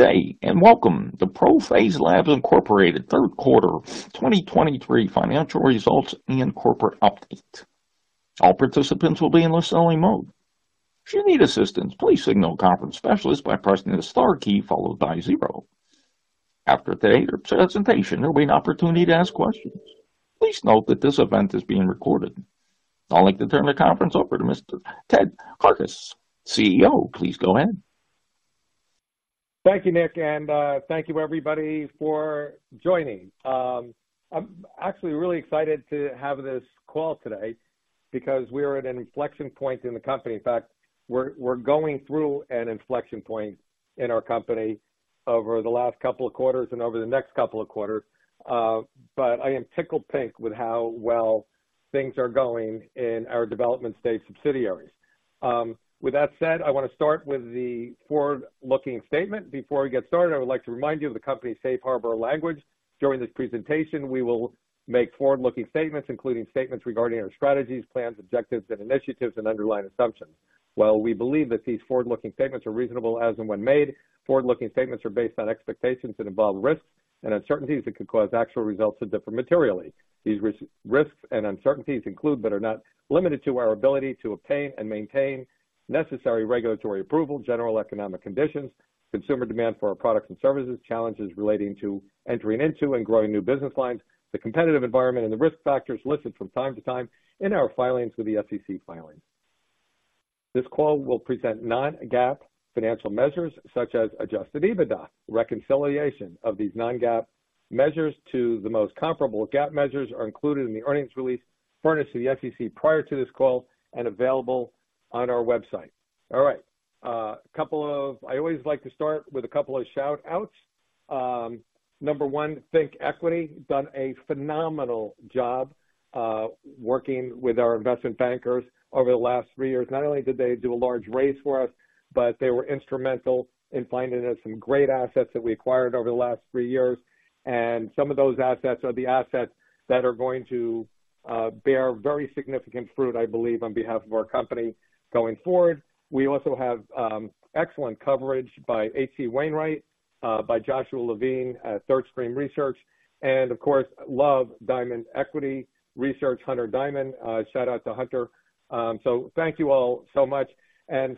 Good day, and welcome to ProPhase Labs, Inc. third quarter 2023 financial results and corporate update. All participants will be in listening mode. If you need assistance, please signal a conference specialist by pressing the star key followed by zero. After today's presentation, there will be an opportunity to ask questions. Please note that this event is being recorded. I'd like to turn the conference over to Mr. Ted Karkus, CEO. Please go ahead. Thank you, Nick, and thank you everybody for joining. I'm actually really excited to have this call today because we are at an inflection point in the company. In fact, we're going through an inflection point in our company over the last couple of quarters and over the next couple of quarters. But I am tickled pink with how well things are going in our development-stage subsidiaries. With that said, I wanna start with the forward-looking statement. Before we get started, I would like to remind you of the company's safe harbor language. During this presentation, we will make forward-looking statements, including statements regarding our strategies, plans, objectives, and initiatives and underlying assumptions. While we believe that these forward-looking statements are reasonable as and when made, forward-looking statements are based on expectations that involve risks and uncertainties that could cause actual results to differ materially. These risks and uncertainties include, but are not limited to, our ability to obtain and maintain necessary regulatory approval, general economic conditions, consumer demand for our products and services, challenges relating to entering into and growing new business lines, the competitive environment, and the risk factors listed from time to time in our filings with the SEC. This call will present non-GAAP financial measures such as adjusted EBITDA. Reconciliation of these non-GAAP measures to the most comparable GAAP measures are included in the earnings release furnished to the SEC prior to this call and available on our website. All right. A couple of... I always like to start with a couple of shout-outs. Number one, ThinkEquity done a phenomenal job working with our investment bankers over the last three years. Not only did they do a large raise for us, but they were instrumental in finding us some great assets that we acquired over the last three years, and some of those assets are the assets that are going to bear very significant fruit, I believe, on behalf of our company going forward. We also have excellent coverage by H.C. Wainwright by Joshua Levine at Third Stream Research, and of course love Diamond Equity Research, Hunter Diamond. Shout out to Hunter. So thank you all so much.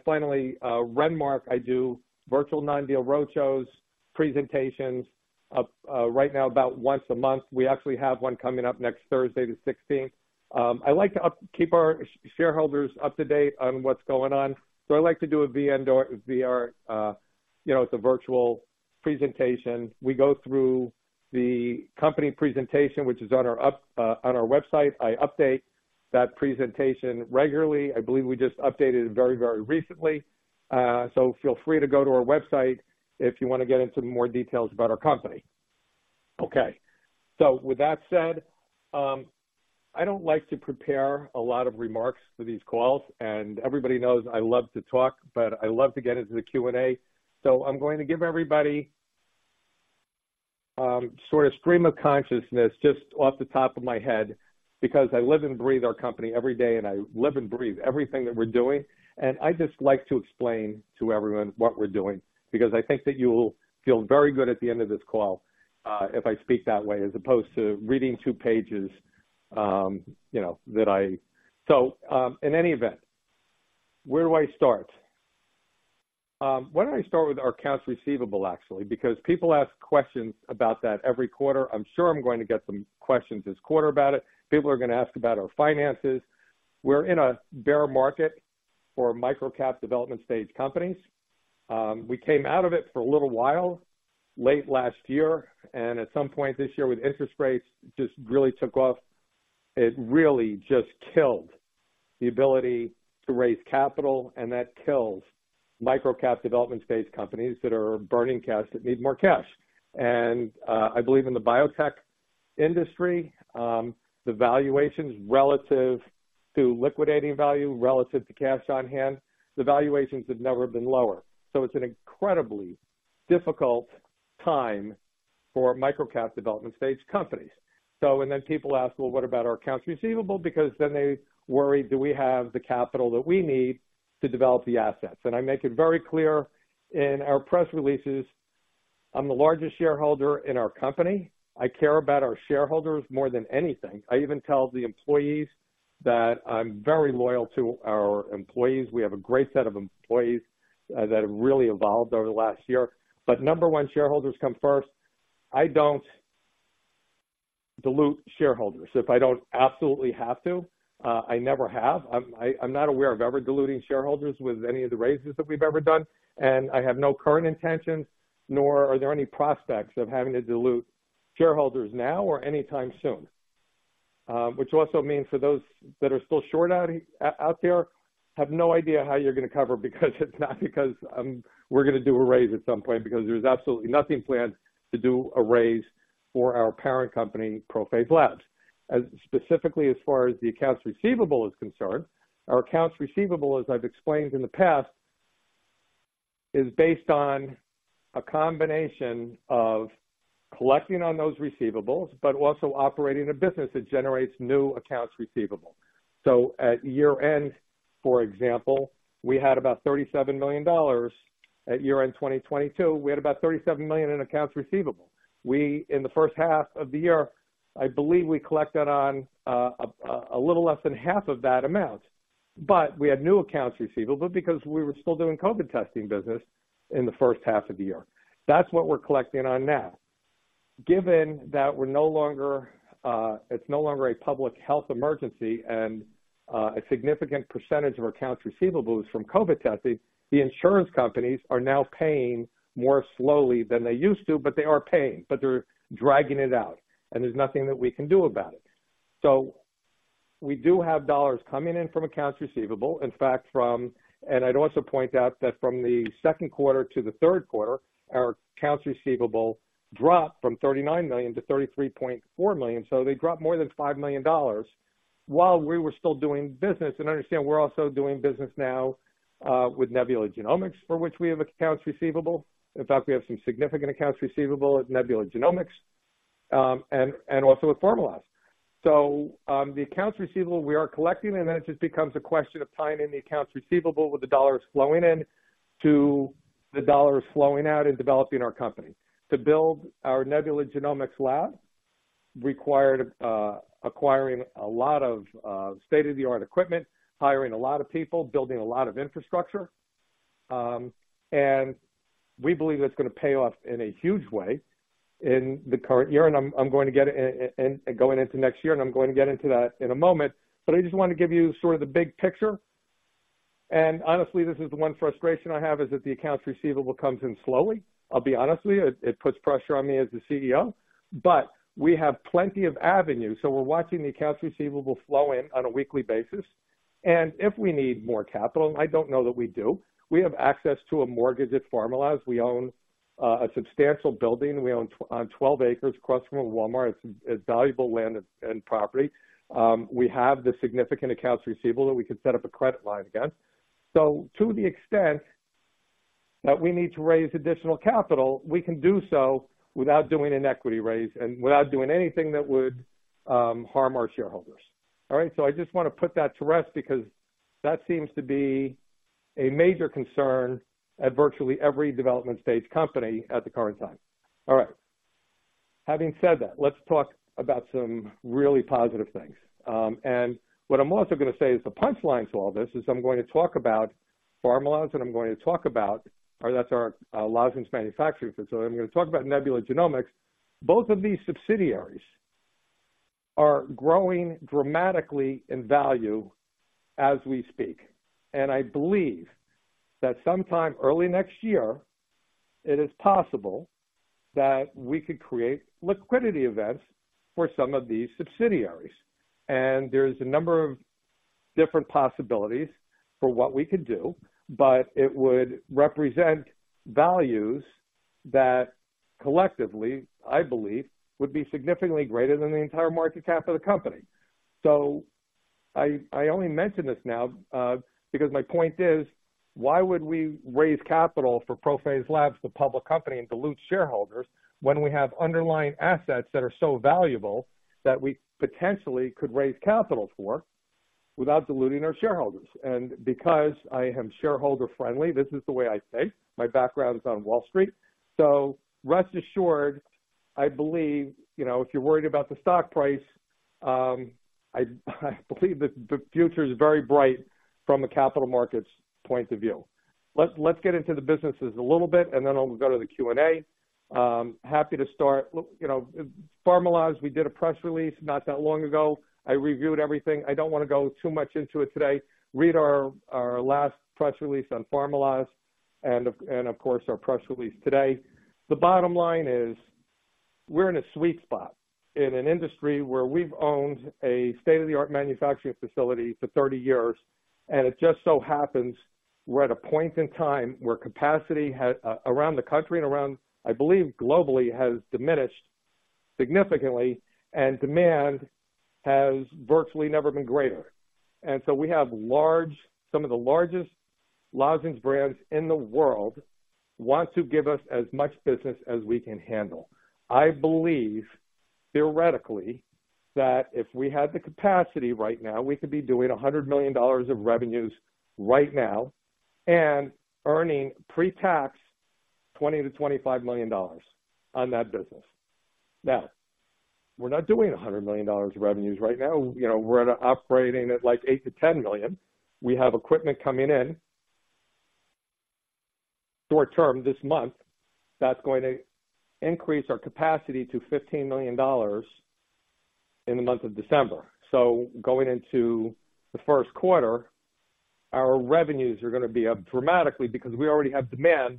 Finally, Renmark, I do virtual non-deal roadshows, presentations right now, about once a month. We actually have one coming up next Thursday, the sixteenth. I like to keep our shareholders up to date on what's going on, so I like to do a non-deal roadshow, you know, it's a virtual presentation. We go through the company presentation, which is on our site, on our website. I update that presentation regularly. I believe we just updated it very, very recently. So feel free to go to our website if you wanna get into more details about our company. Okay. So with that said, I don't like to prepare a lot of remarks for these calls, and everybody knows I love to talk, but I love to get into the Q&A. So I'm going to give everybody, sort of stream of consciousness just off the top of my head, because I live and breathe our company every day, and I live and breathe everything that we're doing. I just like to explain to everyone what we're doing, because I think that you'll feel very good at the end of this call, if I speak that way, as opposed to reading two pages, you know. In any event, where do I start? Why don't I start with our accounts receivable, actually, because people ask questions about that every quarter. I'm sure I'm going to get some questions this quarter about it. People are gonna ask about our finances. We're in a bear market for microcap development-stage companies. We came out of it for a little while, late last year, and at some point this year with interest rates just really took off. It really just killed the ability to raise capital, and that kills microcap development-stage companies that are burning cash, that need more cash. I believe in the biotech industry, the valuations relative to liquidating value, relative to cash on hand, the valuations have never been lower. So it's an incredibly difficult time for microcap development-stage companies. And then people ask, "Well, what about our accounts receivable?" Because then they worry, do we have the capital that we need to develop the assets? And I make it very clear in our press releases, I'm the largest shareholder in our company. I care about our shareholders more than anything. I even tell the employees that I'm very loyal to our employees. We have a great set of employees that have really evolved over the last year. But number one, shareholders come first. I don't dilute shareholders. If I don't absolutely have to, I never have. I'm not aware of ever diluting shareholders with any of the raises that we've ever done, and I have no current intentions, nor are there any prospects of having to dilute shareholders now or anytime soon. Which also means for those that are still short out there, have no idea how you're gonna cover, because it's not because we're gonna do a raise at some point, because there's absolutely nothing planned to do a raise for our parent company, ProPhase Labs. As specifically, as far as the accounts receivable is concerned, our accounts receivable, as I've explained in the past, is based on a combination of collecting on those receivables, but also operating a business that generates new accounts receivable. So at year-end, for example, we had about $37 million. At year-end 2022, we had about $37 million in accounts receivable. We, in the first half of the year, I believe we collected on a little less than half of that amount, but we had new accounts receivable because we were still doing COVID testing business in the first half of the year. That's what we're collecting on now. Given that we're no longer, it's no longer a public health emergency and a significant percentage of our accounts receivable is from COVID testing, the insurance companies are now paying more slowly than they used to, but they are paying, but they're dragging it out, and there's nothing that we can do about it. So we do have dollars coming in from accounts receivable. In fact, and I'd also point out that from the second quarter to the third quarter, our accounts receivable dropped from $39 million to $33.4 million. So they dropped more than $5 million while we were still doing business. And understand, we're also doing business now with Nebula Genomics, for which we have accounts receivable. In fact, we have some significant accounts receivable at Nebula Genomics, and also with Pharmaloz. So the accounts receivable we are collecting, and then it just becomes a question of tying in the accounts receivable with the dollars flowing in to the dollars flowing out and developing our company. To build our Nebula Genomics lab required acquiring a lot of state-of-the-art equipment, hiring a lot of people, building a lot of infrastructure. And we believe it's gonna pay off in a huge way in the current year, and I'm going to get into going into next year, and I'm going to get into that in a moment. But I just want to give you sort of the big picture. And honestly, this is the one frustration I have, is that the accounts receivable comes in slowly. I'll be honest with you, it puts pressure on me as the CEO, but we have plenty of avenues. So we're watching the accounts receivable flow in on a weekly basis, and if we need more capital, I don't know that we do, we have access to a mortgage at Pharmaloz. We own a substantial building. We own on 12 acres across from a Walmart. It's valuable land and property. We have the significant accounts receivable that we could set up a credit line against. So to the extent that we need to raise additional capital, we can do so without doing an equity raise and without doing anything that would harm our shareholders. All right? So I just want to put that to rest because that seems to be a major concern at virtually every development stage company at the current time. All right. Having said that, let's talk about some really positive things. And what I'm also gonna say is the punchline to all this is I'm going to talk about Pharmaloz, and I'm going to talk about... that's our lozenges manufacturing facility. I'm gonna talk about Nebula Genomics. Both of these subsidiaries are growing dramatically in value as we speak, and I believe that sometime early next year, it is possible that we could create liquidity events for some of these subsidiaries. And there's a number of different possibilities for what we could do, but it would represent values that collectively, I believe, would be significantly greater than the entire market cap of the company. So I only mention this now because my point is, why would we raise capital for ProPhase Labs, the public company, and dilute shareholders when we have underlying assets that are so valuable that we potentially could raise capital for without diluting our shareholders? And because I am shareholder friendly, this is the way I think. My background is on Wall Street. So rest assured, I believe, you know, if you're worried about the stock price, I believe that the future is very bright from a capital markets point of view. Let's get into the businesses a little bit, and then I'll go to the Q&A. Happy to start. Look, you know, Pharmaloz, we did a press release not that long ago. I reviewed everything. I don't want to go too much into it today. Read our last press release on Pharmaloz and, of course, our press release today. The bottom line is, we're in a sweet spot in an industry where we've owned a state-of-the-art manufacturing facility for 30 years, and it just so happens we're at a point in time where capacity has around the country and around, I believe, globally, has diminished significantly and demand has virtually never been greater. And so we have some of the largest lozenges brands in the world want to give us as much business as we can handle. I believe, theoretically, that if we had the capacity right now, we could be doing $100 million of revenues right now and earning pre-tax $20-$25 million on that business. Now, we're not doing $100 million of revenues right now. You know, we're at operating at like $8 million-$10 million. We have equipment coming in, short term, this month, that's going to increase our capacity to $15 million in the month of December. So going into the first quarter, our revenues are gonna be up dramatically because we already have demand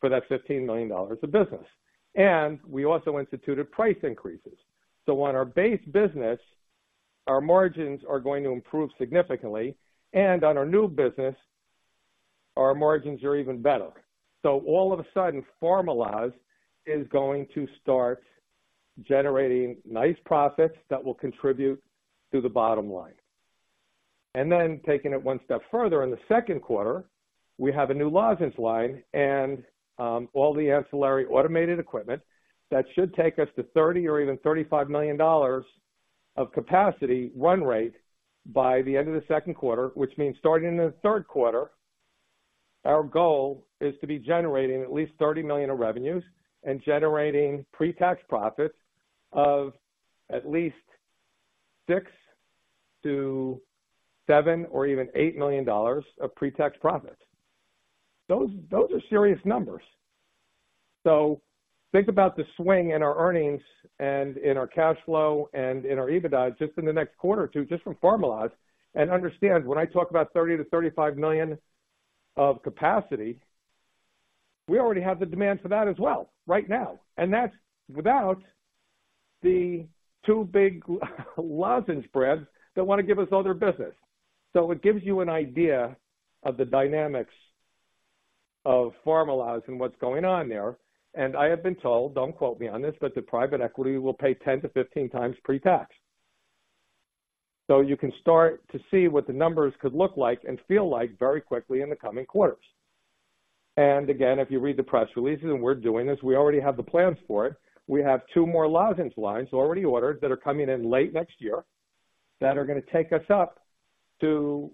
for that $15 million of business. And we also instituted price increases. So on our base business, our margins are going to improve significantly, and on our new business, our margins are even better. So all of a sudden, Pharmaloz is going to start generating nice profits that will contribute to the bottom line.... Then taking it one step further, in the second quarter, we have a new lozenges line and all the ancillary automated equipment that should take us to $30 million or even $35 million of capacity run rate by the end of the second quarter, which means starting in the third quarter, our goal is to be generating at least $30 million of revenues and generating pre-tax profits of at least $6 million-$7 million or even $8 million of pre-tax profits. Those are serious numbers. So think about the swing in our earnings and in our cash flow and in our EBITDAs just in the next quarter or two, just from Pharmaloz. And understand, when I talk about 30-35 million of capacity, we already have the demand for that as well, right now, and that's without the two big lozenge brands that want to give us all their business. So it gives you an idea of the dynamics of Pharmaloz and what's going on there. And I have been told, don't quote me on this, but the private equity will pay 10-15 times pre-tax. So you can start to see what the numbers could look like and feel like very quickly in the coming quarters. And again, if you read the press releases and we're doing this, we already have the plans for it. We have 2 more lozenge lines already ordered that are coming in late next year, that are gonna take us up to...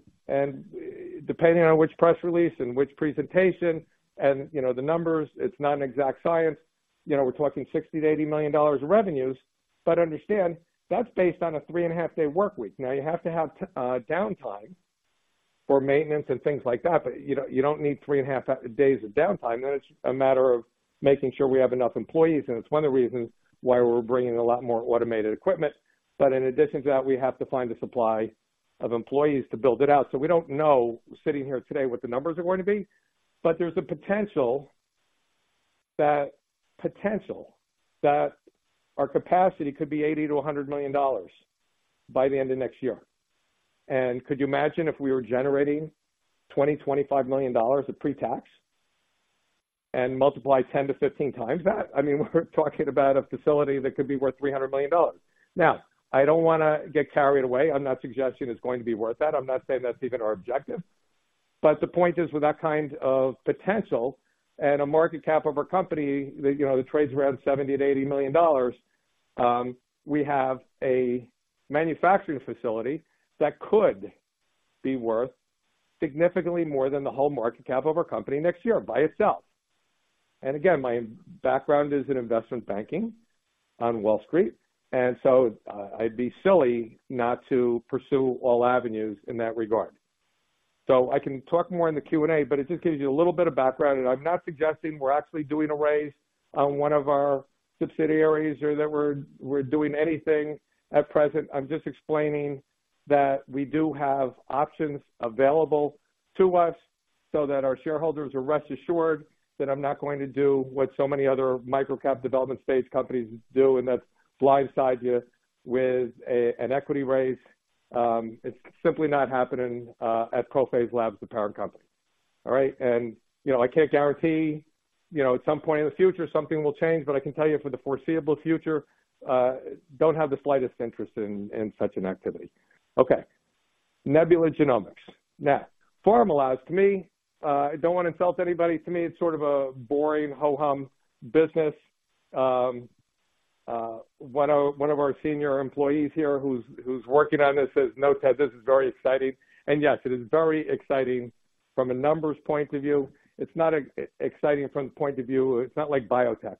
Depending on which press release and which presentation and, you know, the numbers, it's not an exact science. You know, we're talking $60-$80 million in revenues, but understand, that's based on a 3.5-day workweek. Now, you have to have downtime for maintenance and things like that, but, you know, you don't need 3.5 days of downtime. Then it's a matter of making sure we have enough employees, and it's one of the reasons why we're bringing in a lot more automated equipment. But in addition to that, we have to find a supply of employees to build it out. So we don't know, sitting here today, what the numbers are going to be, but there's a potential that, potential that our capacity could be $80-$100 million by the end of next year. And could you imagine if we were generating $20-$25 million of pre-tax and multiply 10-15 times that? I mean, we're talking about a facility that could be worth $300 million. Now, I don't wanna get carried away. I'm not suggesting it's going to be worth that. I'm not saying that's even our objective, but the point is, with that kind of potential and a market cap of our company, that, you know, that trades around $70-$80 million, we have a manufacturing facility that could be worth significantly more than the whole market cap of our company next year by itself. And again, my background is in investment banking on Wall Street, and so I'd be silly not to pursue all avenues in that regard. So I can talk more in the Q&A, but it just gives you a little bit of background. And I'm not suggesting we're actually doing a raise on one of our subsidiaries or that we're doing anything at present. I'm just explaining that we do have options available to us so that our shareholders are rest assured that I'm not going to do what so many other microcap development-stage companies do, and that's blindside you with a, an equity raise. It's simply not happening at ProPhase Labs, the parent company. All right? And, you know, I can't guarantee, you know, at some point in the future, something will change, but I can tell you for the foreseeable future, don't have the slightest interest in such an activity. Okay, Nebula Genomics. Now, Pharmaloz, to me, I don't want to insult anybody. To me, it's sort of a boring, ho-hum business. One of our senior employees here who's working on this says, "No, Ted, this is very exciting." And yes, it is very exciting from a numbers point of view. It's not exciting from the point of view... It's not like biotech.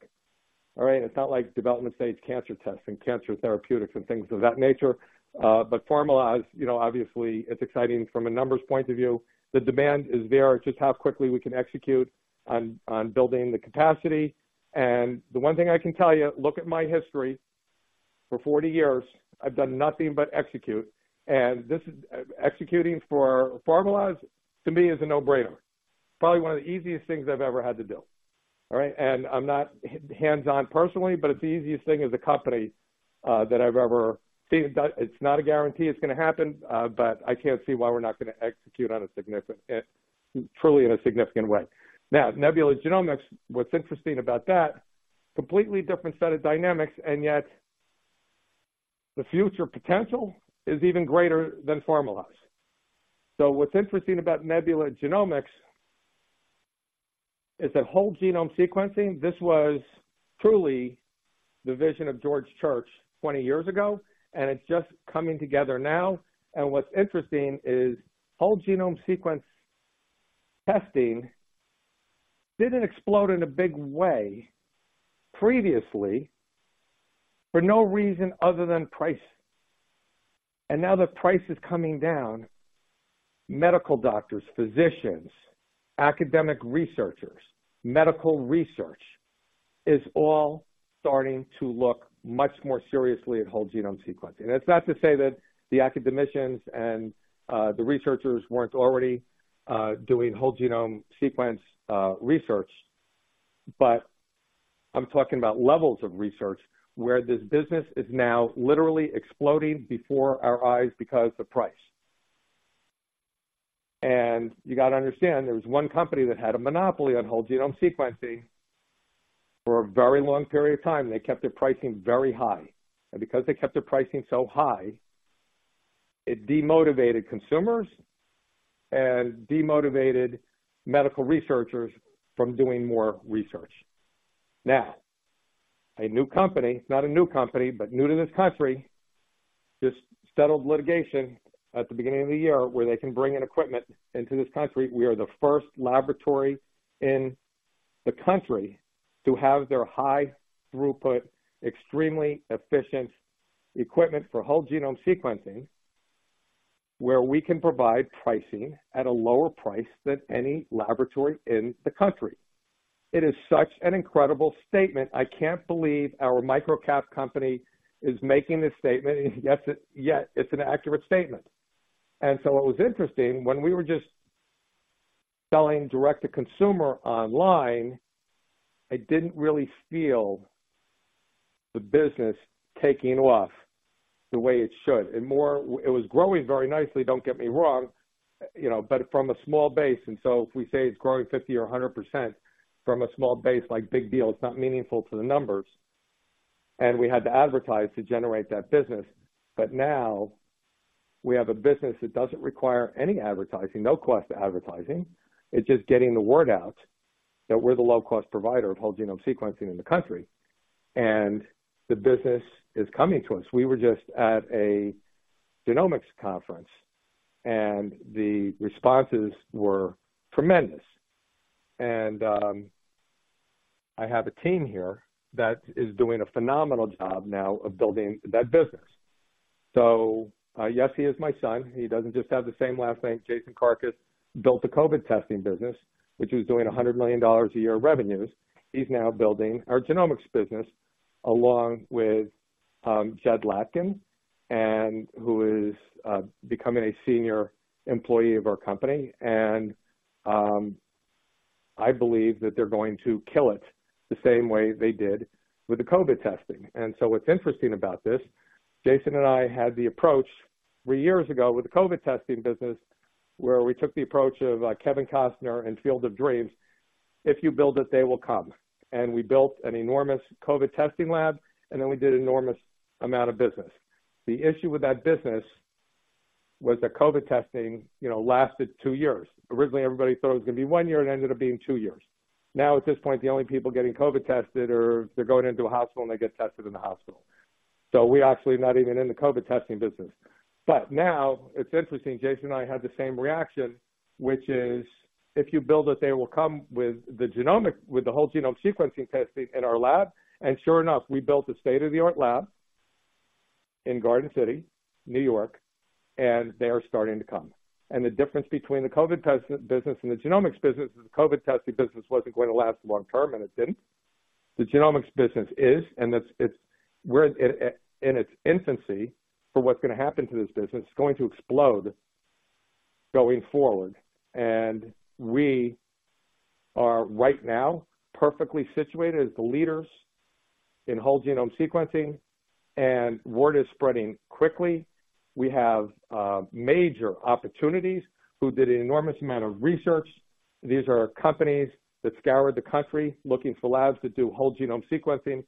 All right? It's not like development-stage cancer tests and cancer therapeutics and things of that nature. But Pharmaloz, you know, obviously, it's exciting from a numbers point of view. The demand is there, it's just how quickly we can execute on building the capacity. And the one thing I can tell you, look at my history. For 40 years, I've done nothing but execute, and this, executing for Pharmaloz, to me, is a no-brainer. Probably one of the easiest things I've ever had to do. All right? And I'm not hands-on personally, but it's the easiest thing as a company that I've ever seen. That. It's not a guarantee it's gonna happen, but I can't see why we're not gonna execute on a significant, truly in a significant way. Now, Nebula Genomics, what's interesting about that, completely different set of dynamics, and yet the future potential is even greater than Pharmaloz. So what's interesting about Nebula Genomics is that whole genome sequencing, this was truly the vision of George Church 20 years ago, and it's just coming together now. And what's interesting is whole genome sequence testing didn't explode in a big way previously for no reason other than price. And now that price is coming down, medical doctors, physicians, academic researchers, medical research is all starting to look much more seriously at whole genome sequencing. It's not to say that the academicians and the researchers weren't already doing whole genome sequence research, but I'm talking about levels of research where this business is now literally exploding before our eyes because of price. You got to understand, there was one company that had a monopoly on whole genome sequencing for a very long period of time, and they kept their pricing very high. Because they kept their pricing so high, it demotivated consumers and demotivated medical researchers from doing more research. Now, a new company, not a new company, but new to this country, just settled litigation at the beginning of the year where they can bring in equipment into this country. We are the first laboratory in the country to have their high throughput, extremely efficient equipment for whole genome sequencing, where we can provide pricing at a lower price than any laboratory in the country. It is such an incredible statement. I can't believe our microcap company is making this statement, and yet, it, yet it's an accurate statement. And so what was interesting, when we were just selling direct to consumer online, I didn't really feel the business taking off the way it should. And more, it was growing very nicely, don't get me wrong, you know, but from a small base. And so if we say it's growing 50% or 100% from a small base, like, big deal, it's not meaningful to the numbers. And we had to advertise to generate that business. But now we have a business that doesn't require any advertising, no cost advertising. It's just getting the word out that we're the low-cost provider of whole genome sequencing in the country, and the business is coming to us. We were just at a genomics conference, and the responses were tremendous. And, I have a team here that is doing a phenomenal job now of building that business. So, yes, he is my son. He doesn't just have the same last name. Jason Karkus built the COVID testing business, which was doing $100 million a year of revenues. He's now building our genomics business, along with, Jed Latkin, and who is, becoming a senior employee of our company. And, I believe that they're going to kill it the same way they did with the COVID testing. And so what's interesting about this, Jason and I had the approach three years ago with the COVID testing business, where we took the approach of Kevin Costner in Field of Dreams, "If you build it, they will come." And we built an enormous COVID testing lab, and then we did an enormous amount of business. The issue with that business was that COVID testing, you know, lasted two years. Originally, everybody thought it was going to be one year, and it ended up being two years. Now, at this point, the only people getting COVID tested are they're going into a hospital, and they get tested in the hospital. So we're actually not even in the COVID testing business. But now, it's interesting, Jason and I had the same reaction, which is, if you build it, they will come with the genomic-- with the whole genome sequencing testing in our lab. And sure enough, we built a state-of-the-art lab in Garden City, New York, and they are starting to come. And the difference between the COVID test business and the genomics business is the COVID testing business wasn't going to last long term, and it didn't. The genomics business is, and it's-- we're in its infancy for what's going to happen to this business. It's going to explode going forward. And we are right now perfectly situated as the leaders in whole genome sequencing, and word is spreading quickly. We have major opportunities, who did an enormous amount of research. These are companies that scoured the country looking for labs to do whole genome sequencing,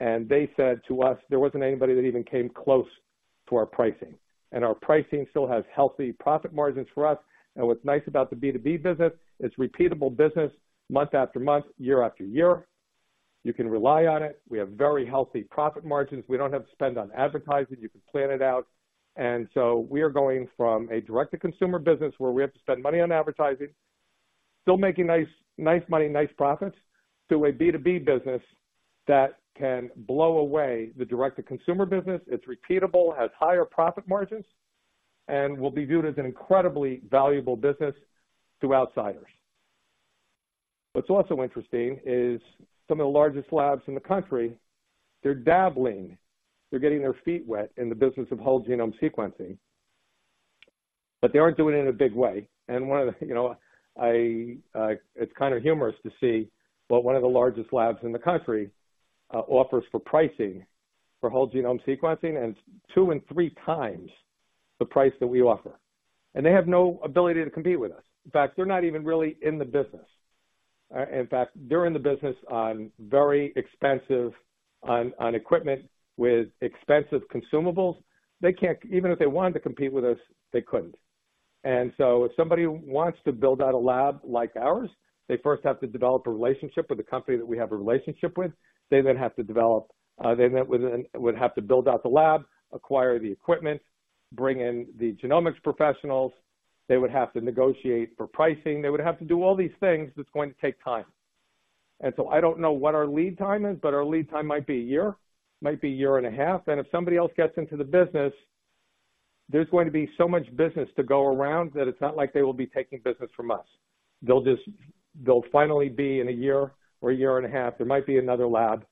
and they said to us, there wasn't anybody that even came close to our pricing, and our pricing still has healthy profit margins for us. And what's nice about the B2B business, it's repeatable business, month after month, year after year. You can rely on it. We have very healthy profit margins. We don't have to spend on advertising. You can plan it out. And so we are going from a direct-to-consumer business where we have to spend money on advertising, still making nice, nice money, nice profits, to a B2B business that can blow away the direct-to-consumer business. It's repeatable, has higher profit margins, and will be viewed as an incredibly valuable business to outsiders. What's also interesting is some of the largest labs in the country, they're dabbling. They're getting their feet wet in the business of whole genome sequencing, but they aren't doing it in a big way. And one of the, you know, it's kind of humorous to see, but one of the largest labs in the country offers pricing for whole genome sequencing, and it's two and three times the price that we offer, and they have no ability to compete with us. In fact, they're not even really in the business. In fact, they're in the business on very expensive equipment with expensive consumables. They can't. Even if they wanted to compete with us, they couldn't. And so if somebody wants to build out a lab like ours, they first have to develop a relationship with the company that we have a relationship with. They then have to develop, they then would have to build out the lab, acquire the equipment, bring in the genomics professionals. They would have to negotiate for pricing. They would have to do all these things that's going to take time. And so I don't know what our lead time is, but our lead time might be a year, might be a year and a half. And if somebody else gets into the business, there's going to be so much business to go around that it's not like they will be taking business from us. They'll just... They'll finally be in a year or a year and a half, there might be another lab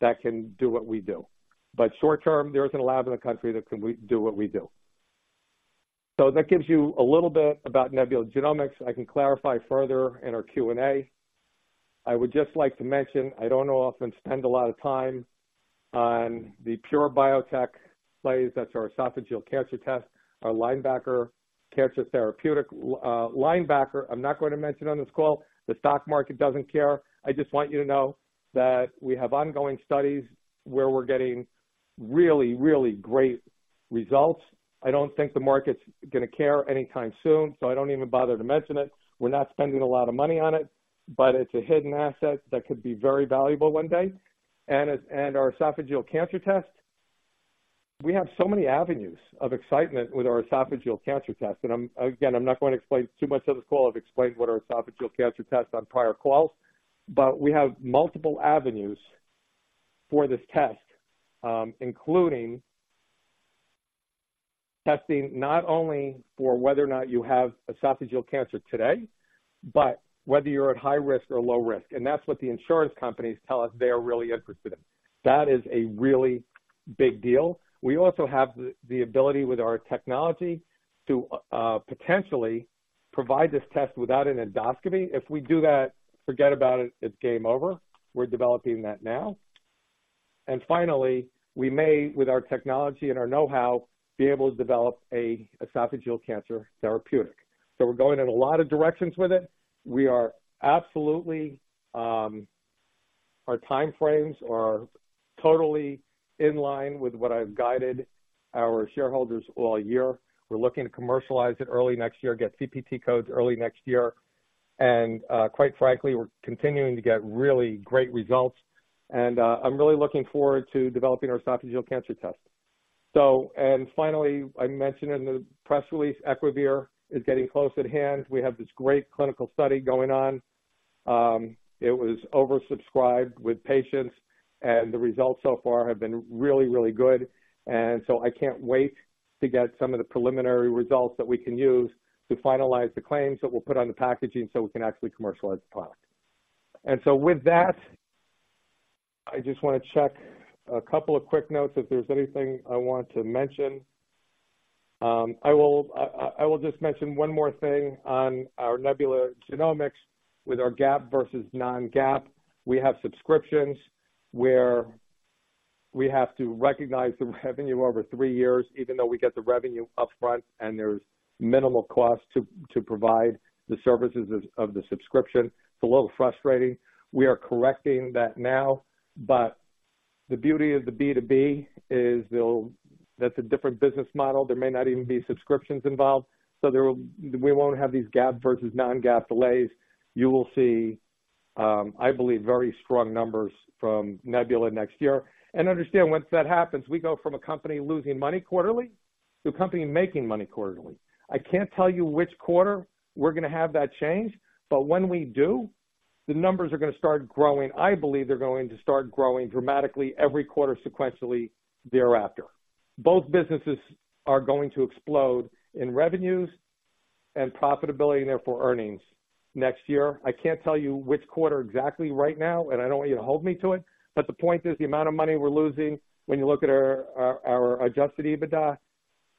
that can do what we do, but short term, there isn't a lab in the country that can do what we do. So that gives you a little bit about Nebula Genomics. I can clarify further in our Q&A. I would just like to mention, I don't often spend a lot of time on the pure biotech plays. That's our esophageal cancer test, our Linebacker cancer therapeutic. Linebacker, I'm not going to mention on this call. The stock market doesn't care. I just want you to know that we have ongoing studies where we're getting really, really great results. I don't think the market's gonna care anytime soon, so I don't even bother to mention it. We're not spending a lot of money on it, but it's a hidden asset that could be very valuable one day. And our esophageal cancer test, we have so many avenues of excitement with our esophageal cancer test. And I'm, again, I'm not going to explain too much on this call. I've explained what our esophageal cancer test on prior calls, but we have multiple avenues for this test, including testing not only for whether or not you have esophageal cancer today, but whether you're at high risk or low risk. And that's what the insurance companies tell us they are really interested in. That is a really big deal. We also have the ability with our technology to potentially provide this test without an endoscopy. If we do that, forget about it, it's game over. We're developing that now. And finally, we may, with our technology and our know-how, be able to develop a esophageal cancer therapeutic. So we're going in a lot of directions with it. We are absolutely our time frames are totally in line with what I've guided our shareholders all year. We're looking to commercialize it early next year, get CPT codes early next year. Quite frankly, we're continuing to get really great results, and I'm really looking forward to developing our esophageal cancer test. So, and finally, I mentioned in the press release, Equivir is getting close at hand. We have this great clinical study going on. It was oversubscribed with patients, and the results so far have been really, really good. And so I can't wait to get some of the preliminary results that we can use to finalize the claims that we'll put on the packaging so we can actually commercialize the product. And so with that, I just wanna check a couple of quick notes if there's anything I want to mention. I will, I, I will just mention one more thing on our Nebula Genomics with our GAAP versus non-GAAP. We have subscriptions where we have to recognize the revenue over three years, even though we get the revenue upfront and there's minimal cost to provide the services of the subscription. It's a little frustrating. We are correcting that now, but the beauty of the B2B is they'll - that's a different business model. There may not even be subscriptions involved, so there will - we won't have these GAAP versus non-GAAP delays. You will see, I believe, very strong numbers from Nebula next year. And understand, once that happens, we go from a company losing money quarterly to a company making money quarterly. I can't tell you which quarter we're gonna have that change, but when we do, the numbers are gonna start growing. I believe they're going to start growing dramatically every quarter sequentially thereafter. Both businesses are going to explode in revenues and profitability and therefore earnings next year. I can't tell you which quarter exactly right now, and I don't want you to hold me to it. But the point is, the amount of money we're losing when you look at our Adjusted EBITDA,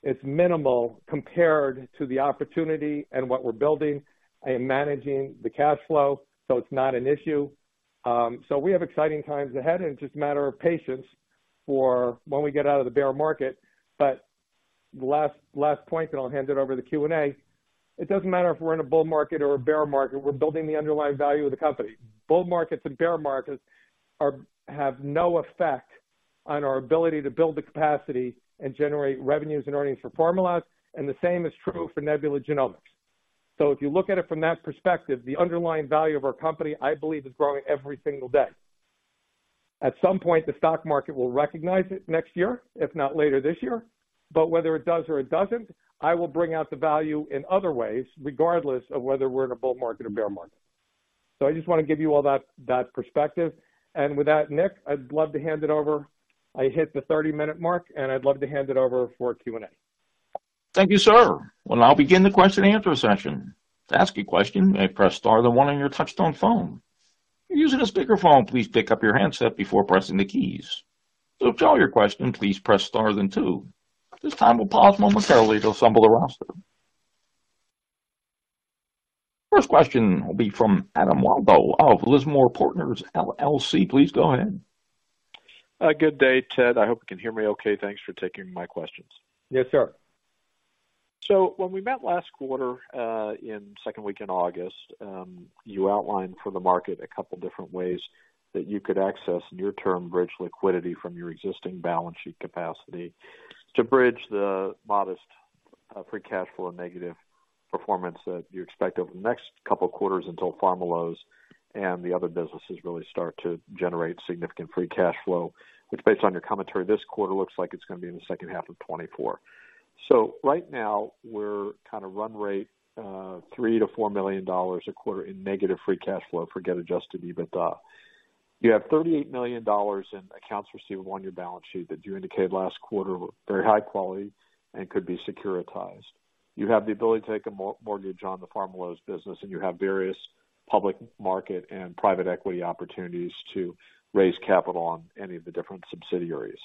it's minimal compared to the opportunity and what we're building and managing the cash flow, so it's not an issue. So we have exciting times ahead, and it's just a matter of patience for when we get out of the bear market. But last point, and I'll hand it over to Q&A. It doesn't matter if we're in a bull market or a bear market, we're building the underlying value of the company. Bull markets and bear markets have no effect on our ability to build the capacity and generate revenues and earnings for Pharmaloz, and the same is true for Nebula Genomics. So if you look at it from that perspective, the underlying value of our company, I believe, is growing every single day. At some point, the stock market will recognize it next year, if not later this year. But whether it does or it doesn't, I will bring out the value in other ways, regardless of whether we're in a bull market or bear market. So I just want to give you all that perspective. And with that, Nick, I'd love to hand it over. I hit the 30-minute mark, and I'd love to hand it over for Q&A. Thank you, sir. We'll now begin the question and answer session. To ask a question, press star then one on your touchtone phone. If you're using a speakerphone, please pick up your handset before pressing the keys. To withdraw your question, please press star then two. At this time, we'll pause momentarily to assemble the roster. First question will be from Adam Waldo of Lismore Partners, LLC. Please go ahead. Good day, Ted. I hope you can hear me okay? Thanks for taking my questions. Yes, sir. So when we met last quarter, in second week in August, you outlined for the market a couple different ways that you could access near-term bridge liquidity from your existing balance sheet capacity to bridge the modest, free cash flow and negative performance that you expect over the next couple quarters until Pharmaloz and the other businesses really start to generate significant free cash flow. Which, based on your commentary this quarter, looks like it's gonna be in the second half of 2024. So right now, we're kinda run rate, three to four million dollars a quarter in negative free cash flow forget adjusted EBITDA. You have $38 million in accounts receivable on your balance sheet that you indicated last quarter were very high quality and could be securitized. You have the ability to take a mortgage on the Pharmaloz business, and you have various public market and private equity opportunities to raise capital on any of the different subsidiaries.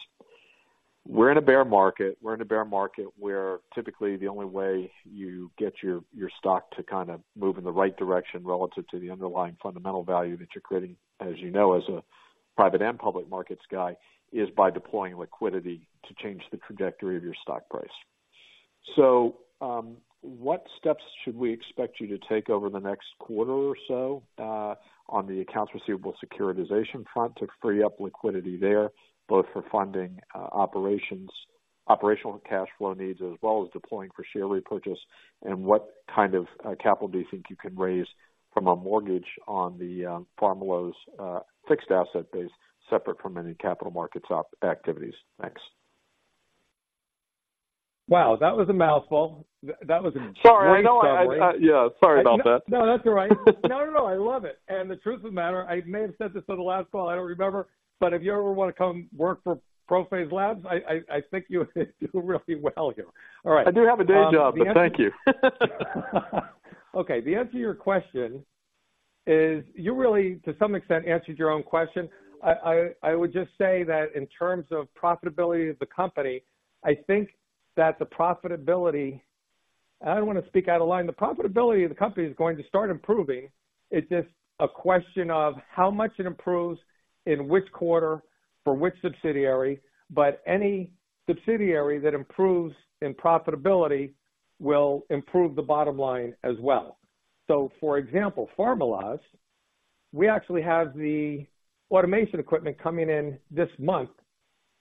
We're in a bear market. We're in a bear market where typically the only way you get your, your stock to kind of move in the right direction relative to the underlying fundamental value that you're creating, as you know, as a private and public markets guy, is by deploying liquidity to change the trajectory of your stock price. So, what steps should we expect you to take over the next quarter or so, on the accounts receivable securitization front to free up liquidity there, both for funding, operations, operational cash flow needs, as well as deploying for share repurchases? What kind of capital do you think you can raise from a mortgage on the Pharmaloz fixed asset base, separate from any capital markets activities? Thanks. Wow, that was a mouthful. That was a- Sorry. No... Yeah, sorry about that. No, that's all right. No, no, no. I love it. And the truth of the matter, I may have said this on the last call, I don't remember, but if you ever wanna come work for ProPhase Labs, I think you would do really well here. All right. I do have a day job, but thank you. Okay, the answer to your question is, you really, to some extent, answered your own question. I would just say that in terms of profitability of the company, I think that the profitability... I don't wanna speak out of line. The profitability of the company is going to start improving. It's just a question of how much it improves in which quarter for which subsidiary, but any subsidiary that improves in profitability will improve the bottom line as well. So for example, Pharmaloz, we actually have the automation equipment coming in this month,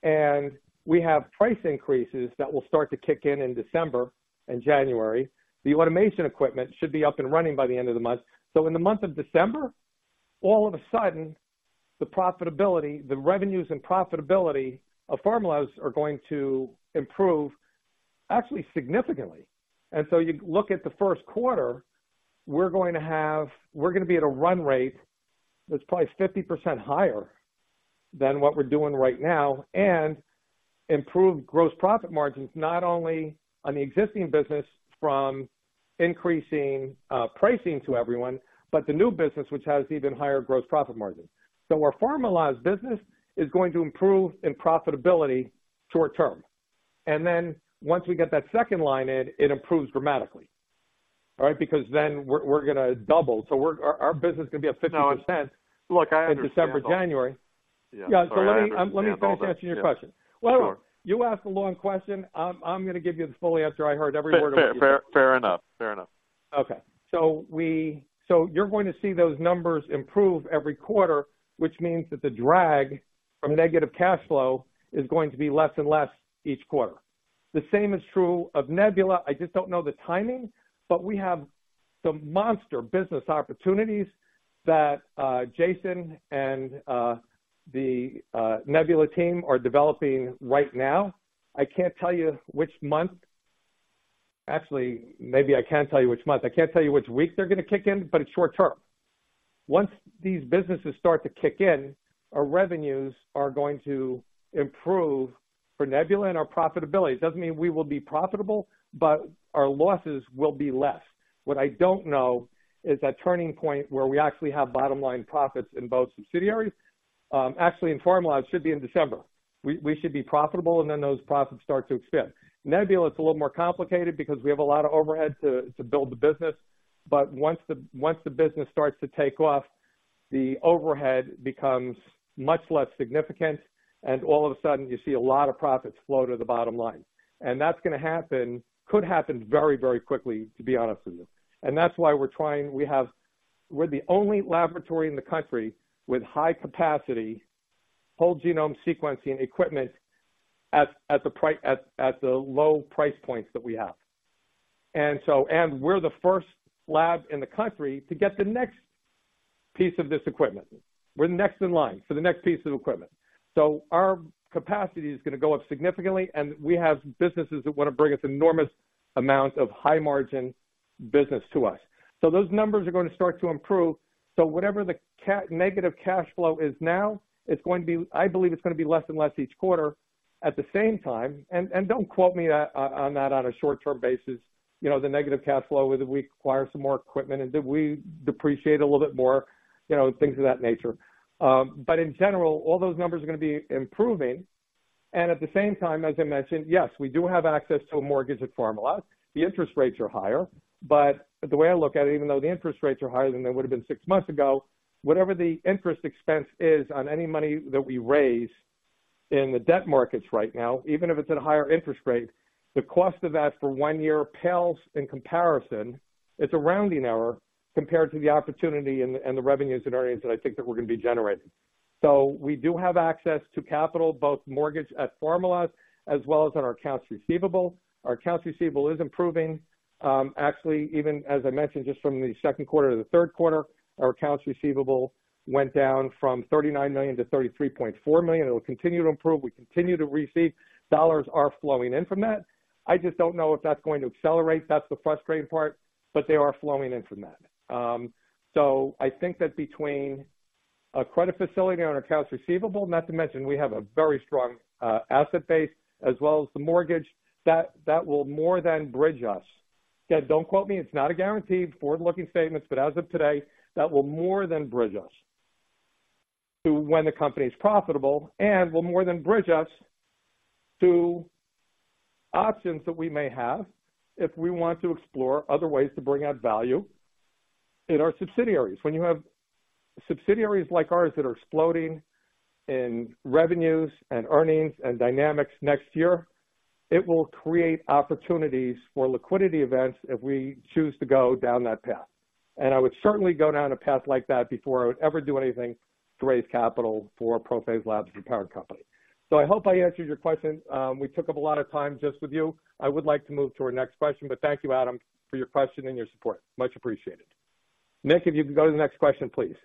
and we have price increases that will start to kick in in December and January. The automation equipment should be up and running by the end of the month. So in the month of December, all of a sudden, the profitability, the revenues and profitability of Pharmaloz are going to improve actually significantly. And so you look at the first quarter, we're going to have, we're gonna be at a run rate that's probably 50% higher than what we're doing right now, and improve gross profit margins, not only on the existing business from increasing pricing to everyone, but the new business, which has even higher gross profit margins. So our Pharmaloz business is going to improve in profitability short term. And then once we get that second line in, it improves dramatically. All right? Because then we're, we're gonna double. So we're, our, our business is gonna be up 50%- No, look, I understand. in December, January. Yeah. Yeah, so let me, let me finish answering your question. Sure. Well, you asked a long question. I'm gonna give you the full answer. I heard every word. Fair, fair, fair enough. Fair enough. Okay. So you're going to see those numbers improve every quarter, which means that the drag from negative cash flow is going to be less and less each quarter. The same is true of Nebula. I just don't know the timing, but we have some monster business opportunities that Jason and the Nebula team are developing right now. I can't tell you which month. Actually, maybe I can tell you which month. I can't tell you which week they're gonna kick in, but it's short term. Once these businesses start to kick in, our revenues are going to improve for Nebula and our profitability. It doesn't mean we will be profitable, but our losses will be less. What I don't know is that turning point where we actually have bottom line profits in both subsidiaries. Actually, in Pharmaloz, it should be in December. We should be profitable, and then those profits start to expand. Nebula, it's a little more complicated because we have a lot of overhead to build the business, but once the business starts to take off, the overhead becomes much less significant, and all of a sudden, you see a lot of profits flow to the bottom line. And that's gonna happen, could happen very, very quickly, to be honest with you. And that's why we're trying. We have. We're the only laboratory in the country with high capacity, whole genome sequencing equipment at the low price points that we have. And so, we're the first lab in the country to get the next piece of this equipment. We're next in line for the next piece of this equipment. So our capacity is gonna go up significantly, and we have businesses that wanna bring us enormous amounts of high-margin business to us. So those numbers are gonna start to improve. So whatever the negative cash flow is now, it's going to be... I believe it's gonna be less and less each quarter. At the same time, don't quote me on that on a short-term basis, you know, the negative cash flow, whether we acquire some more equipment and we depreciate a little bit more, you know, things of that nature. But in general, all those numbers are gonna be improving. And at the same time, as I mentioned, yes, we do have access to a mortgage at Pharmaloz. The interest rates are higher, but the way I look at it, even though the interest rates are higher than they would have been six months ago, whatever the interest expense is on any money that we raise in the debt markets right now, even if it's at a higher interest rate, the cost of that for one year pales in comparison. It's a rounding error compared to the opportunity and the revenues and earnings that I think that we're gonna be generating. So we do have access to capital, both mortgage at Pharmaloz as well as on our accounts receivable. Our accounts receivable is improving. Actually, even as I mentioned, just from the second quarter to the third quarter, our accounts receivable went down from $39 million to $33.4 million. It will continue to improve. We continue to receive dollars that are flowing in from that. I just don't know if that's going to accelerate. That's the frustrating part, but they are flowing in from that. So I think that between a credit facility on our accounts receivable, not to mention, we have a very strong asset base, as well as the mortgage, that will more than bridge us. Again, don't quote me. It's not a guaranteed forward-looking statements, but as of today, that will more than bridge us to when the company is profitable and will more than bridge us to options that we may have if we want to explore other ways to bring out value in our subsidiaries. When you have subsidiaries like ours that are exploding in revenues and earnings and dynamics next year, it will create opportunities for liquidity events if we choose to go down that path. I would certainly go down a path like that before I would ever do anything to raise capital for ProPhase Labs, a parent company. So I hope I answered your question. We took up a lot of time just with you. I would like to move to our next question, but thank you, Adam, for your question and your support. Much appreciated. Nick, if you can go to the next question, please.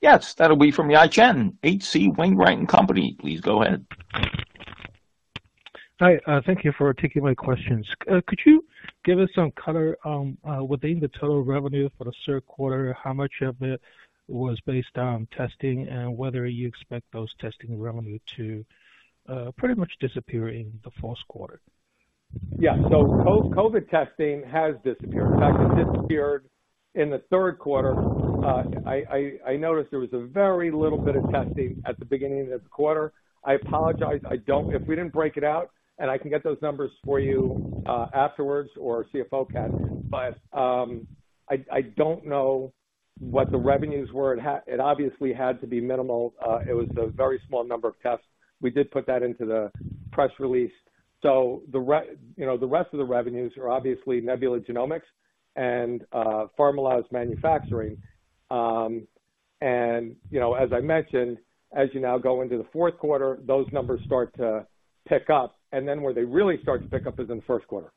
Yes, that'll be from Yi Chen, H.C. Wainwright & Co. Please go ahead. Hi, thank you for taking my questions. Could you give us some color on, within the total revenue for the third quarter, how much of it was based on testing and whether you expect those testing revenue to pretty much disappear in the fourth quarter? Yeah. So COVID testing has disappeared. In fact, it disappeared in the third quarter. I noticed there was a very little bit of testing at the beginning of the quarter. I apologize, I don't-- If we didn't break it out, and I can get those numbers for you, afterwards or CFO can, but, I don't know what the revenues were. It obviously had to be minimal. It was a very small number of tests. We did put that into the press release. So, you know, the rest of the revenues are obviously Nebula Genomics and, Pharmaloz Manufacturing. And, you know, as I mentioned, as you now go into the fourth quarter, those numbers start to pick up, and then where they really start to pick up is in the first quarter.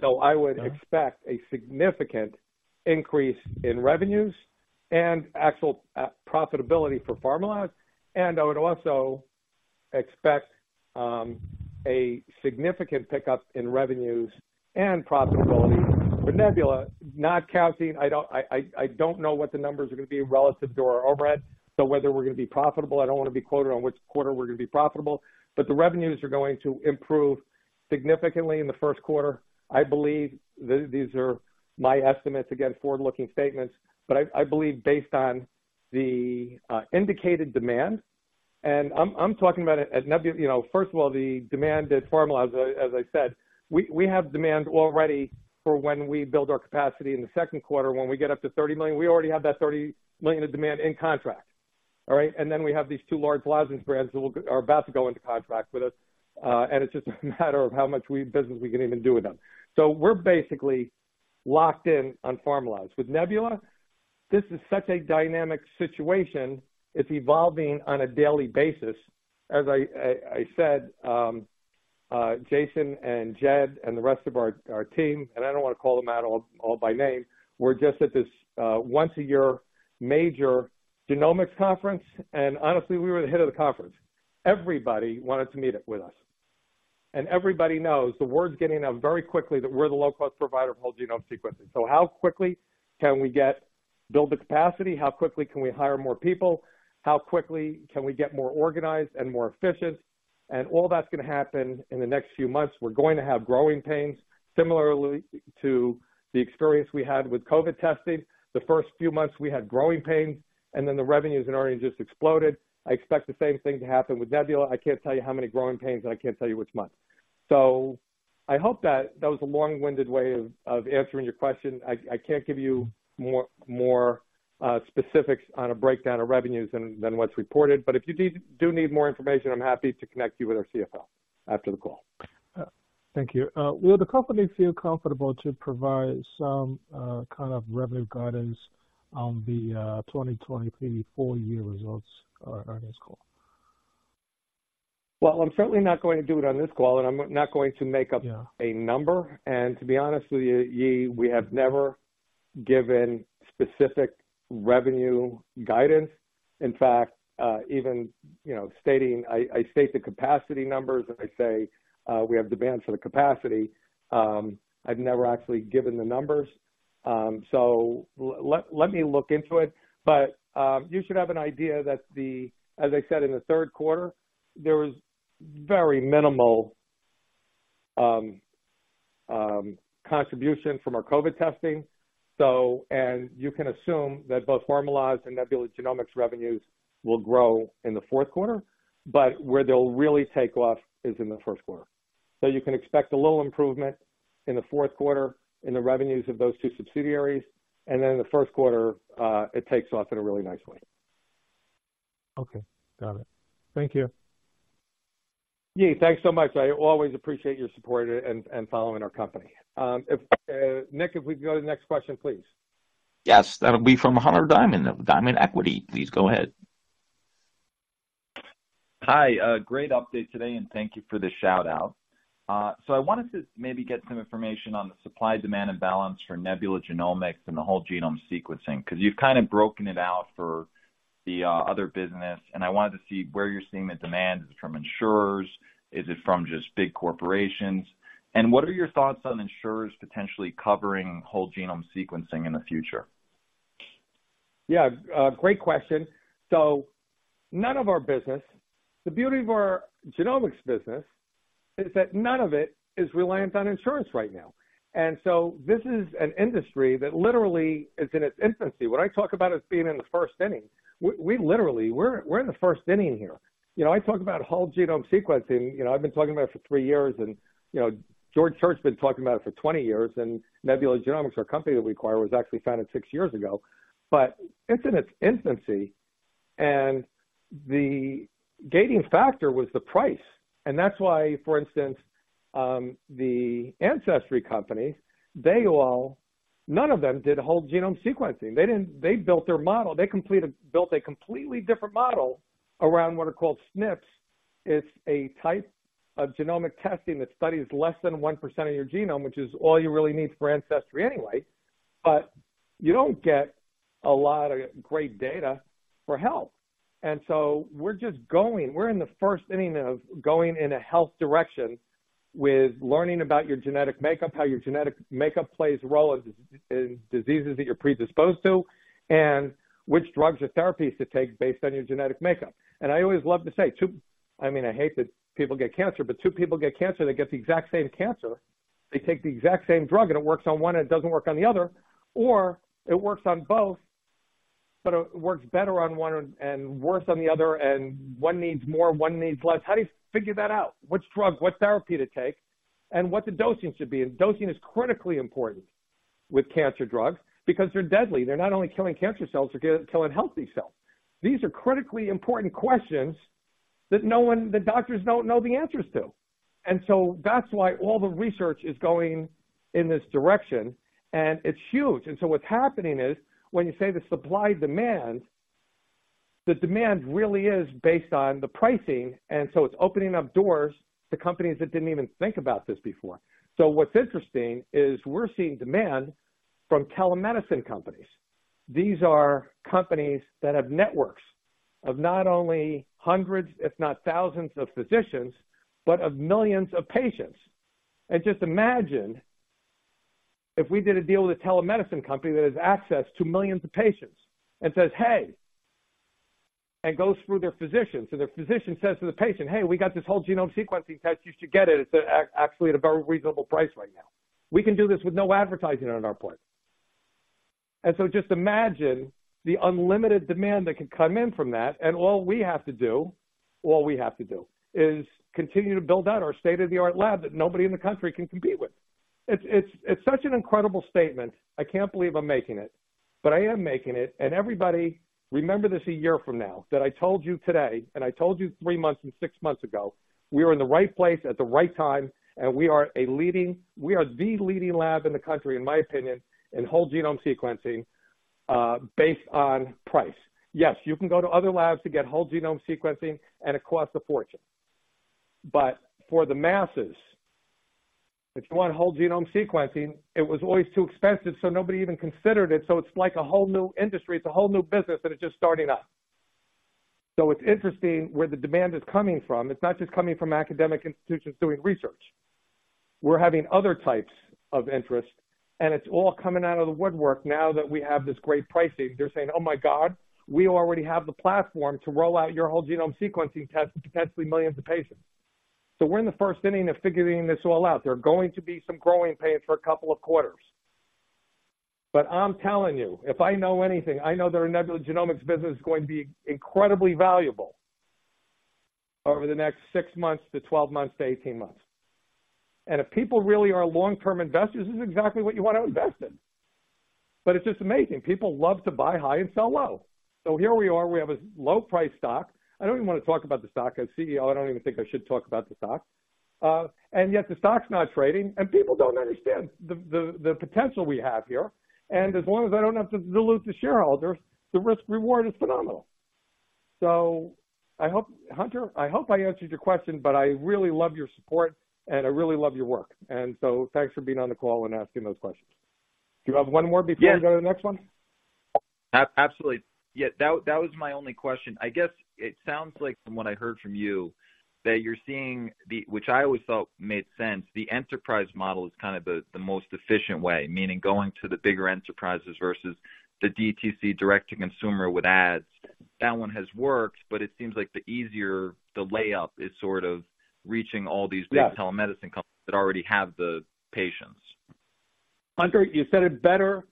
So I would expect a significant increase in revenues and actual profitability for Pharmaloz, and I would also expect a significant pickup in revenues and profitability for Nebula. I don't know what the numbers are gonna be relative to our overhead, so whether we're gonna be profitable, I don't want to be quoted on which quarter we're gonna be profitable, but the revenues are going to improve significantly in the first quarter. I believe these are my estimates, again, forward-looking statements, but I believe based on the indicated demand, and I'm talking about it at Nebula. You know, first of all, the demand at Pharmaloz, as I said, we have demand already for when we build our capacity in the second quarter. When we get up to $30 million, we already have that $30 million in demand in contract. All right? And then we have these two large lozenges brands that will, are about to go into contract with us, and it's just a matter of how much business we can even do with them. So we're basically locked in on Pharmaloz. With Nebula, this is such a dynamic situation. It's evolving on a daily basis. As I said, Jason and Jed and the rest of our team, and I don't want to call them out all by name, we're just at this once-a-year major genomics conference, and honestly, we were the head of the conference. Everybody wanted to meet up with us. And everybody knows, the word's getting out very quickly, that we're the low-cost provider of whole genome sequencing. So how quickly can we get... build the capacity? How quickly can we hire more people? How quickly can we get more organized and more efficient? And all that's gonna happen in the next few months. We're going to have growing pains, similarly to the experience we had with COVID testing. The first few months, we had growing pains, and then the revenues and earnings just exploded. I expect the same thing to happen with Nebula. I can't tell you how many growing pains, and I can't tell you which month. So I hope that, that was a long-winded way of, of answering your question. I, I can't give you more, more, specifics on a breakdown of revenues than, than what's reported, but if you need, do need more information, I'm happy to connect you with our CFO after the call. Thank you. Will the company feel comfortable to provide some kind of revenue guidance on the 2023 full year results on this call? Well, I'm certainly not going to do it on this call, and I'm not going to make up- Yeah. - a number. And to be honest with you, Yi, we have never given specific revenue guidance. In fact, even, you know, stating... I state the capacity numbers, and I say, we have demand for the capacity. I've never actually given the numbers. So let me look into it. But, you should have an idea that the-- as I said in the third quarter, there was very minimal contribution from our COVID testing. So, and you can assume that both Pharmaloz and Nebula Genomics revenues will grow in the fourth quarter, but where they'll really take off is in the first quarter. So you can expect a little improvement in the fourth quarter in the revenues of those two subsidiaries, and then in the first quarter, it takes off in a really nice way. Okay, got it. Thank you. Yi, thanks so much. I always appreciate your support and following our company. Nick, if we can go to the next question, please. Yes, that'll be from Hunter Diamond of Diamond Equity. Please go ahead. Hi, great update today, and thank you for the shout out. So I wanted to maybe get some information on the supply, demand, and balance for Nebula Genomics and the whole genome sequencing, because you've kind of broken it out for the other business, and I wanted to see where you're seeing the demand. Is it from insurers? Is it from just big corporations? And what are your thoughts on insurers potentially covering whole genome sequencing in the future? Yeah, great question. So none of our business, the beauty of our genomics business is that none of it is reliant on insurance right now. And so this is an industry that literally is in its infancy. When I talk about us being in the first inning, we literally, we're in the first inning here. You know, I talk about whole genome sequencing, you know, I've been talking about it for 3 years, and, you know, George Church been talking about it for 20 years, and Nebula Genomics, our company that we acquired, was actually founded 6 years ago. But it's in its infancy, and the gating factor was the price. And that's why, for instance, the Ancestry company, they all, none of them did whole genome sequencing. They didn't. They built their model. They completely built a completely different model around what are called SNPs. It's a type of genomic testing that studies less than 1% of your genome, which is all you really need for ancestry anyway, but you don't get a lot of great data for health. And so we're just going... We're in the first inning of going in a health direction with learning about your genetic makeup, how your genetic makeup plays a role in in diseases that you're predisposed to, and which drugs or therapies to take based on your genetic makeup. And I always love to say, I mean, I hate that people get cancer, but two people get cancer, they get the exact same cancer. They take the exact same drug, and it works on one, and it doesn't work on the other, or it works on both, but it works better on one and, and worse on the other, and one needs more, one needs less. How do you figure that out? Which drug, what therapy to take, and what the dosing should be? And dosing is critically important with cancer drugs because they're deadly. They're not only killing cancer cells, they're killing healthy cells. These are critically important questions that no one, the doctors, don't know the answers to. And so that's why all the research is going in this direction, and it's huge. And so what's happening is when you say the supply-demand, the demand really is based on the pricing, and so it's opening up doors to companies that didn't even think about this before. So what's interesting is we're seeing demand from telemedicine companies. These are companies that have networks of not only hundreds, if not thousands, of physicians, but of millions of patients. And just imagine if we did a deal with a telemedicine company that has access to millions of patients and says, "Hey," and goes through their physician. So their physician says to the patient, "Hey, we got this whole genome sequencing test. You should get it. It's actually at a very reasonable price right now." We can do this with no advertising on our part. And so just imagine the unlimited demand that can come in from that, and all we have to do, all we have to do, is continue to build out our state-of-the-art lab that nobody in the country can compete with. It's such an incredible statement. I can't believe I'm making it, but I am making it. And everybody, remember this 1 year from now, that I told you today, and I told you 3 months and 6 months ago, we are in the right place at the right time, and we are a leading - we are the leading lab in the country, in my opinion, in whole genome sequencing, based on price. Yes, you can go to other labs to get whole genome sequencing, and it costs a fortune. But for the masses, if you want whole genome sequencing, it was always too expensive, so nobody even considered it. So it's like a whole new industry. It's a whole new business, and it's just starting up. So it's interesting where the demand is coming from. It's not just coming from academic institutions doing research. We're having other types of interest, and it's all coming out of the woodwork now that we have this great pricing. They're saying, "Oh, my God, we already have the platform to roll out your whole genome sequencing test to potentially millions of patients." So we're in the first inning of figuring this all out. There are going to be some growing pains for a couple of quarters. But I'm telling you, if I know anything, I know that our Nebula Genomics business is going to be incredibly valuable over the next six months to 12 months to 18 months. And if people really are long-term investors, this is exactly what you want to invest in. But it's just amazing. People love to buy high and sell low. So here we are, we have a low-priced stock. I don't even want to talk about the stock. As CEO, I don't even think I should talk about the stock. And yet the stock's not trading, and people don't understand the potential we have here. As long as I don't have to dilute the shareholders, the risk-reward is phenomenal. I hope, Hunter, I hope I answered your question, but I really love your support, and I really love your work. So thanks for being on the call and asking those questions. Do you have one more before I go to the next one? Absolutely. Yeah, that was my only question. I guess it sounds like from what I heard from you, that you're seeing the... Which I always thought made sense, the enterprise model is kind of the most efficient way, meaning going to the bigger enterprises versus the DTC, direct-to-consumer, with ads. That one has worked, but it seems like the easier the layup is sort of reaching all these- Yes. big telemedicine companies that already have the patients. Hunter, you said it better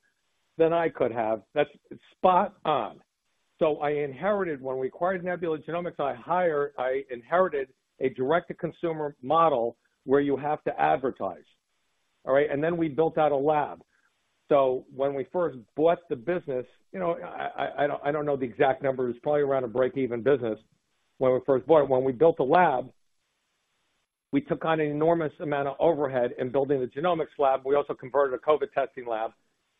than I could have. That's spot on. So I inherited, when we acquired Nebula Genomics, I inherited a direct-to-consumer model where you have to advertise. All right, and then we built out a lab. So when we first bought the business, you know, I don't know the exact numbers, probably around a break-even business when we first bought it. When we built the lab, we took on an enormous amount of overhead in building the genomics lab. We also converted a COVID testing lab,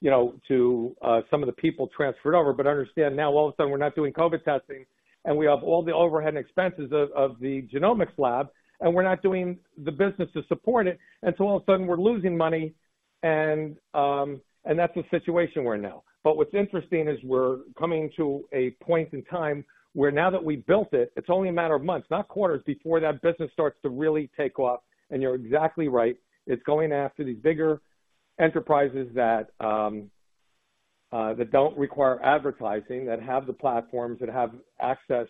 you know, to some of the people transferred over. But understand now, all of a sudden, we're not doing COVID testing, and we have all the overhead and expenses of the genomics lab, and we're not doing the business to support it. And so all of a sudden, we're losing money, and that's the situation we're in now. But what's interesting is we're coming to a point in time where now that we've built it, it's only a matter of months, not quarters, before that business starts to really take off. And you're exactly right. It's going after these bigger enterprises that don't require advertising, that have the platforms, that have access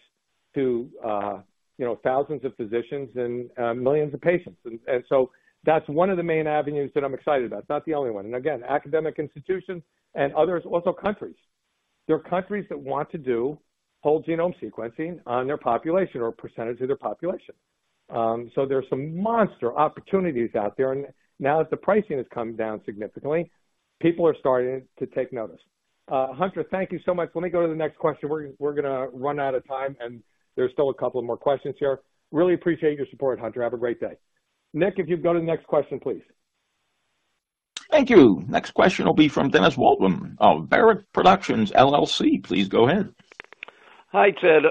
to, you know, thousands of physicians and millions of patients. And so that's one of the main avenues that I'm excited about. It's not the only one. And again, academic institutions and others, also countries. There are countries that want to do whole genome sequencing on their population or a percentage of their population. So there's some monster opportunities out there, and now that the pricing has come down significantly, people are starting to take notice. Hunter, thank you so much. Let me go to the next question. We're, we're gonna run out of time, and there's still a couple of more questions here. Really appreciate your support, Hunter. Have a great day. Nick, if you'd go to the next question, please. Thank you. Next question will be from Dennis Waltman of Barrett Productions LLC. Please go ahead. Hi, Ted.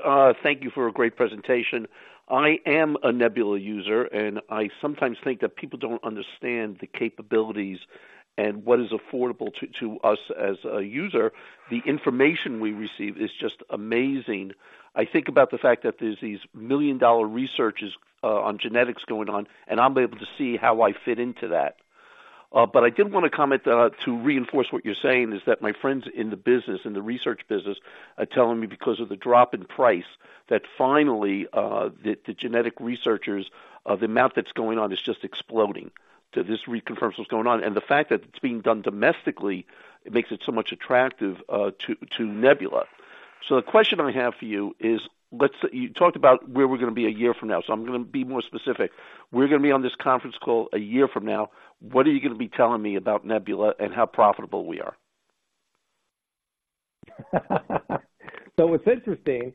Thank you for a great presentation. I am a Nebula user, and I sometimes think that people don't understand the capabilities and what is affordable to us as a user. The information we receive is just amazing. I think about the fact that there's these million-dollar researches on genetics going on, and I'm able to see how I fit into that. But I did wanna comment to reinforce what you're saying, is that my friends in the business, in the research business, are telling me because of the drop in price, that finally the genetic researchers, the amount that's going on is just exploding. So this reconfirms what's going on. The fact that it's being done domestically, it makes it so much attractive to Nebula. So the question I have for you is, let's, you talked about where we're gonna be a year from now, so I'm gonna be more specific. We're gonna be on this conference call a year from now, what are you gonna be telling me about Nebula and how profitable we are? So what's interesting,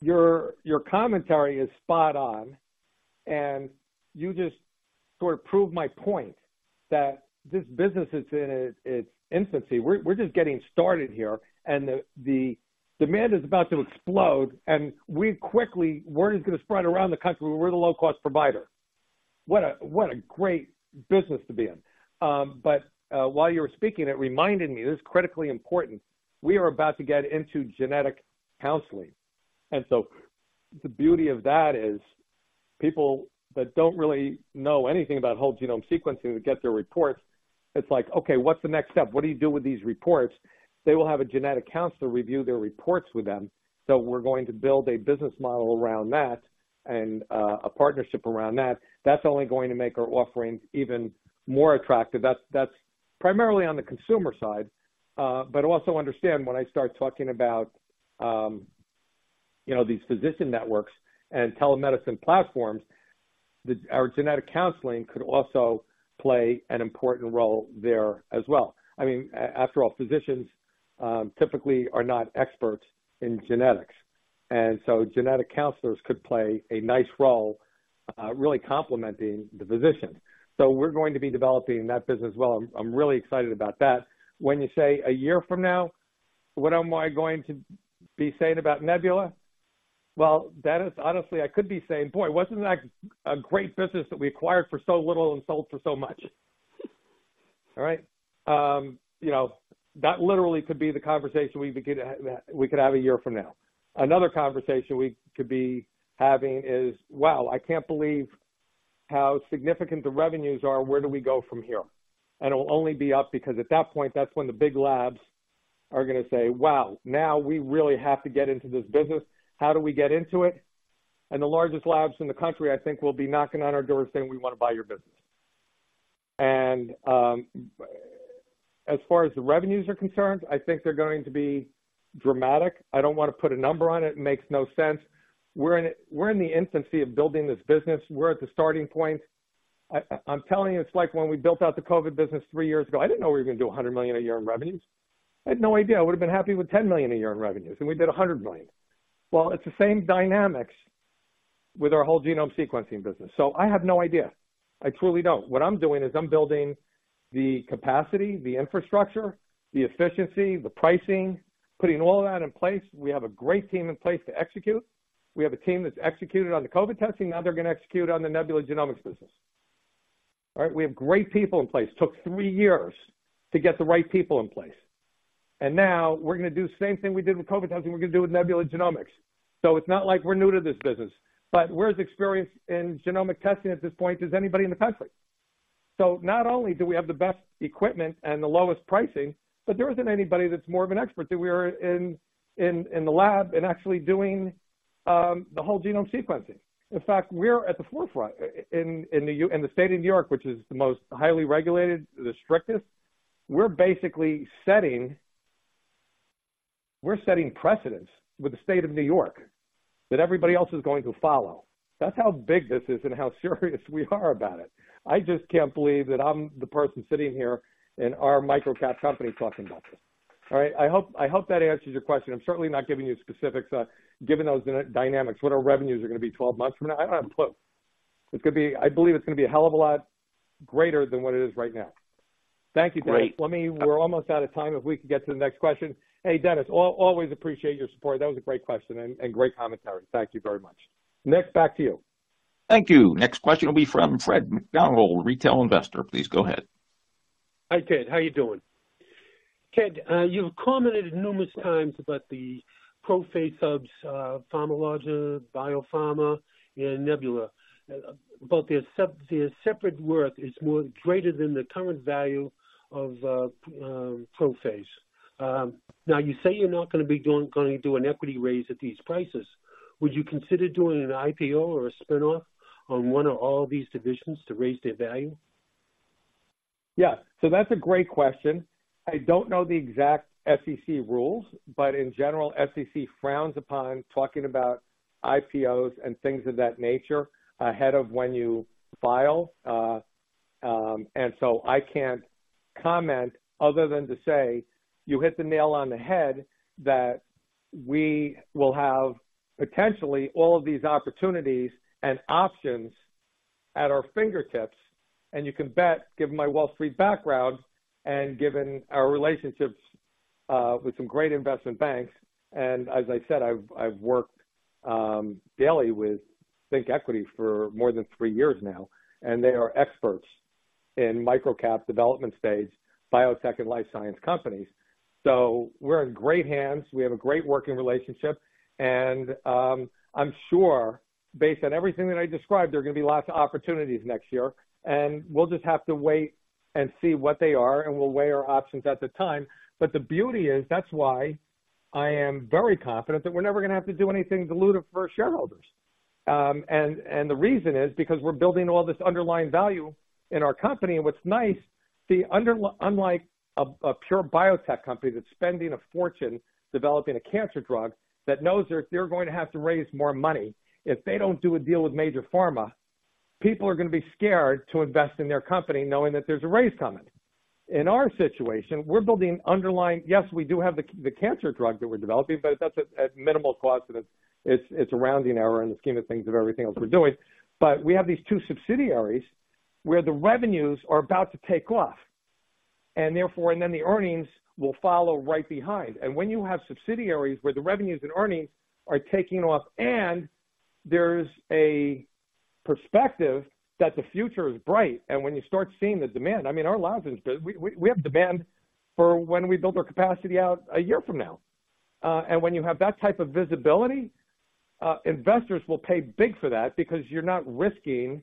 your commentary is spot on, and you just sort of proved my point that this business is in its infancy. We're just getting started here, and the demand is about to explode, and we quickly, word is gonna spread around the country, we're the low-cost provider. What a great business to be in! But while you were speaking, it reminded me, this is critically important, we are about to get into genetic counseling. And so the beauty of that is, people that don't really know anything about whole genome sequencing, they get their reports, it's like, okay, what's the next step? What do you do with these reports? They will have a genetic counselor review their reports with them. So we're going to build a business model around that and a partnership around that. That's only going to make our offerings even more attractive. That's primarily on the consumer side, but also understand when I start talking about, you know, these physician networks and telemedicine platforms, our genetic counseling could also play an important role there as well. I mean, after all, physicians typically are not experts in genetics, and so genetic counselors could play a nice role, really complementing the physician. So we're going to be developing that business as well. I'm really excited about that. When you say, a year from now, what am I going to be saying about Nebula? Well, Dennis, honestly, I could be saying, "Boy, wasn't that a great business that we acquired for so little and sold for so much?" All right? You know, that literally could be the conversation we could, we could have a year from now. Another conversation we could be having is, "Wow, I can't believe how significant the revenues are. Where do we go from here?" And it'll only be up, because at that point, that's when the big labs are gonna say, "Wow, now we really have to get into this business. How do we get into it?" And the largest labs in the country, I think, will be knocking on our door saying, "We wanna buy your business." And, as far as the revenues are concerned, I think they're going to be dramatic. I don't wanna put a number on it. It makes no sense. We're in, we're in the infancy of building this business. We're at the starting point. I'm telling you, it's like when we built out the COVID business three years ago, I didn't know we were gonna do $100 million a year in revenues. I had no idea. I would have been happy with $10 million a year in revenues, and we did $100 million. Well, it's the same dynamics with our whole genome sequencing business, so I have no idea. I truly don't. What I'm doing is I'm building the capacity, the infrastructure, the efficiency, the pricing, putting all of that in place. We have a great team in place to execute. We have a team that's executed on the COVID testing, now they're gonna execute on the Nebula Genomics business. All right? We have great people in place. Took three years to get the right people in place, and now we're gonna do the same thing we did with COVID testing, we're gonna do with Nebula Genomics. So it's not like we're new to this business, but we're as experienced in genomic testing at this point as anybody in the country. So not only do we have the best equipment and the lowest pricing, but there isn't anybody that's more of an expert than we are in the lab in actually doing the whole genome sequencing. In fact, we're at the forefront. In the state of New York, which is the most highly regulated, the strictest, we're basically setting precedents with the state of New York that everybody else is going to follow. That's how big this is and how serious we are about it. I just can't believe that I'm the person sitting here in our microcap company talking about this. All right? I hope, I hope that answers your question. I'm certainly not giving you specifics, given those dynamics, what our revenues are gonna be 12 months from now. I don't have a clue. It's gonna be. I believe it's gonna be a hell of a lot greater than what it is right now. Thank you, Dennis. Great. Let me... We're almost out of time, if we could get to the next question. Hey, Dennis, always appreciate your support. That was a great question and great commentary. Thank you very much. Nick, back to you. Thank you. Next question will be from Fred McDonald, retail investor. Please go ahead. Hi, Ted. How are you doing? Ted, you've commented numerous times about the ProPhase Labs, Pharmaloz, BioPharma, and Nebula, but their separate worth is more greater than the current value of ProPhase. Now, you say you're not gonna do an equity raise at these prices.... Would you consider doing an IPO or a spin-off on one or all of these divisions to raise their value? Yeah. So that's a great question. I don't know the exact SEC rules, but in general, SEC frowns upon talking about IPOs and things of that nature ahead of when you file. And so I can't comment other than to say, you hit the nail on the head, that we will have potentially all of these opportunities and options at our fingertips, and you can bet, given my Wall Street background and given our relationships, with some great investment banks, and as I said, I've, I've worked, daily with ThinkEquity for more than three years now, and they are experts in micro-cap development stage, biotech and life science companies. So we're in great hands. We have a great working relationship, and I'm sure based on everything that I described, there are gonna be lots of opportunities next year, and we'll just have to wait and see what they are, and we'll weigh our options at the time. But the beauty is, that's why I am very confident that we're never gonna have to do anything dilutive for our shareholders. And the reason is because we're building all this underlying value in our company. And what's nice, see, unlike a pure biotech company that's spending a fortune developing a cancer drug that knows that they're going to have to raise more money, if they don't do a deal with major pharma, people are gonna be scared to invest in their company, knowing that there's a raise coming. In our situation, we're building underlying... Yes, we do have the cancer drug that we're developing, but that's at minimal cost, and it's a rounding error in the scheme of things of everything else we're doing. But we have these two subsidiaries where the revenues are about to take off, and therefore, and then the earnings will follow right behind. And when you have subsidiaries where the revenues and earnings are taking off, and there's a perspective that the future is bright, and when you start seeing the demand, I mean, our labs, we have demand for when we build our capacity out a year from now. And when you have that type of visibility, investors will pay big for that because you're not risking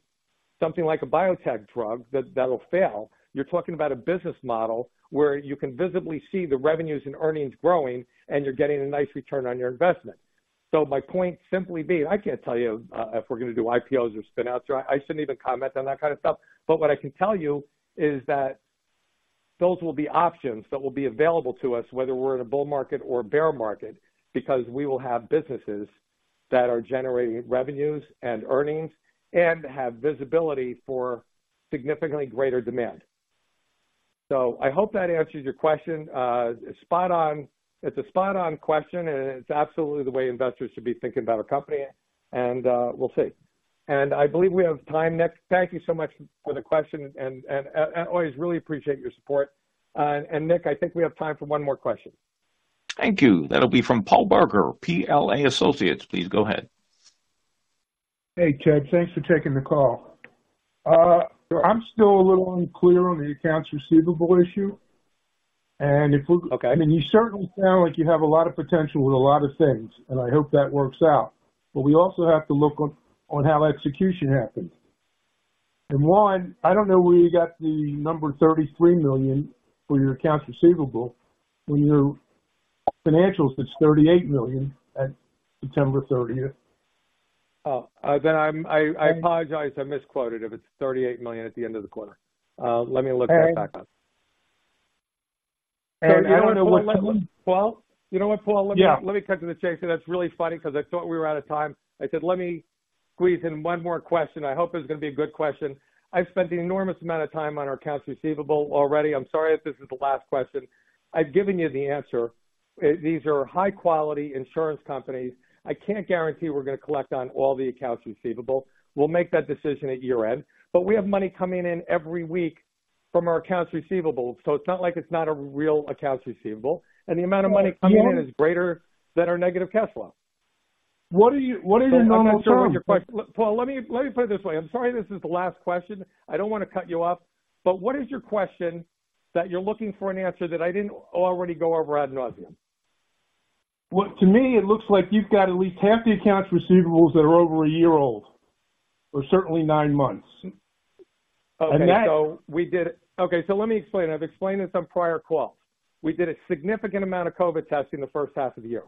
something like a biotech drug that'll fail. You're talking about a business model where you can visibly see the revenues and earnings growing, and you're getting a nice return on your investment. So my point simply being, I can't tell you if we're gonna do IPOs or spin out, so I shouldn't even comment on that kind of stuff. But what I can tell you is that those will be options that will be available to us, whether we're in a bull market or a bear market, because we will have businesses that are generating revenues and earnings and have visibility for significantly greater demand. So I hope that answers your question. It's spot on. It's a spot-on question, and it's absolutely the way investors should be thinking about our company, and we'll see. And I believe we have time, Nick. Thank you so much for the question and I always really appreciate your support. And Nick, I think we have time for one more question. Thank you. That'll be from Paul Barker, PLA Associates. Please go ahead. Hey, Ted. Thanks for taking the call. So I'm still a little unclear on the accounts receivable issue, and if we- Okay. I mean, you certainly sound like you have a lot of potential with a lot of things, and I hope that works out. But we also have to look on how execution happens. And one, I don't know where you got the number $33 million for your accounts receivable. In your financials, it's $38 million at September thirtieth. I apologize. I misquoted it. It's $38 million at the end of the quarter. Let me look that back up. Okay. You know what, Paul? You know what, Paul? Yeah. Let me cut to the chase, and that's really funny because I thought we were out of time. I said, let me squeeze in one more question. I hope it's gonna be a good question. I've spent an enormous amount of time on our accounts receivable already. I'm sorry if this is the last question. I've given you the answer. These are high-quality insurance companies. I can't guarantee we're gonna collect on all the accounts receivable. We'll make that decision at year-end. But we have money coming in every week from our accounts receivable, so it's not like it's not a real accounts receivable. The amount of money coming in is greater than our negative cash flow. What are you- I'm not sure what your question... Paul, let me, let me put it this way. I'm sorry, this is the last question. I don't wanna cut you off, but what is your question that you're looking for an answer that I didn't already go over ad nauseam? Well, to me, it looks like you've got at least half the accounts receivables that are over a year old, or certainly nine months. Okay. And that- So we did it... Okay, so let me explain. I've explained this on prior calls. We did a significant amount of COVID testing the first half of the year.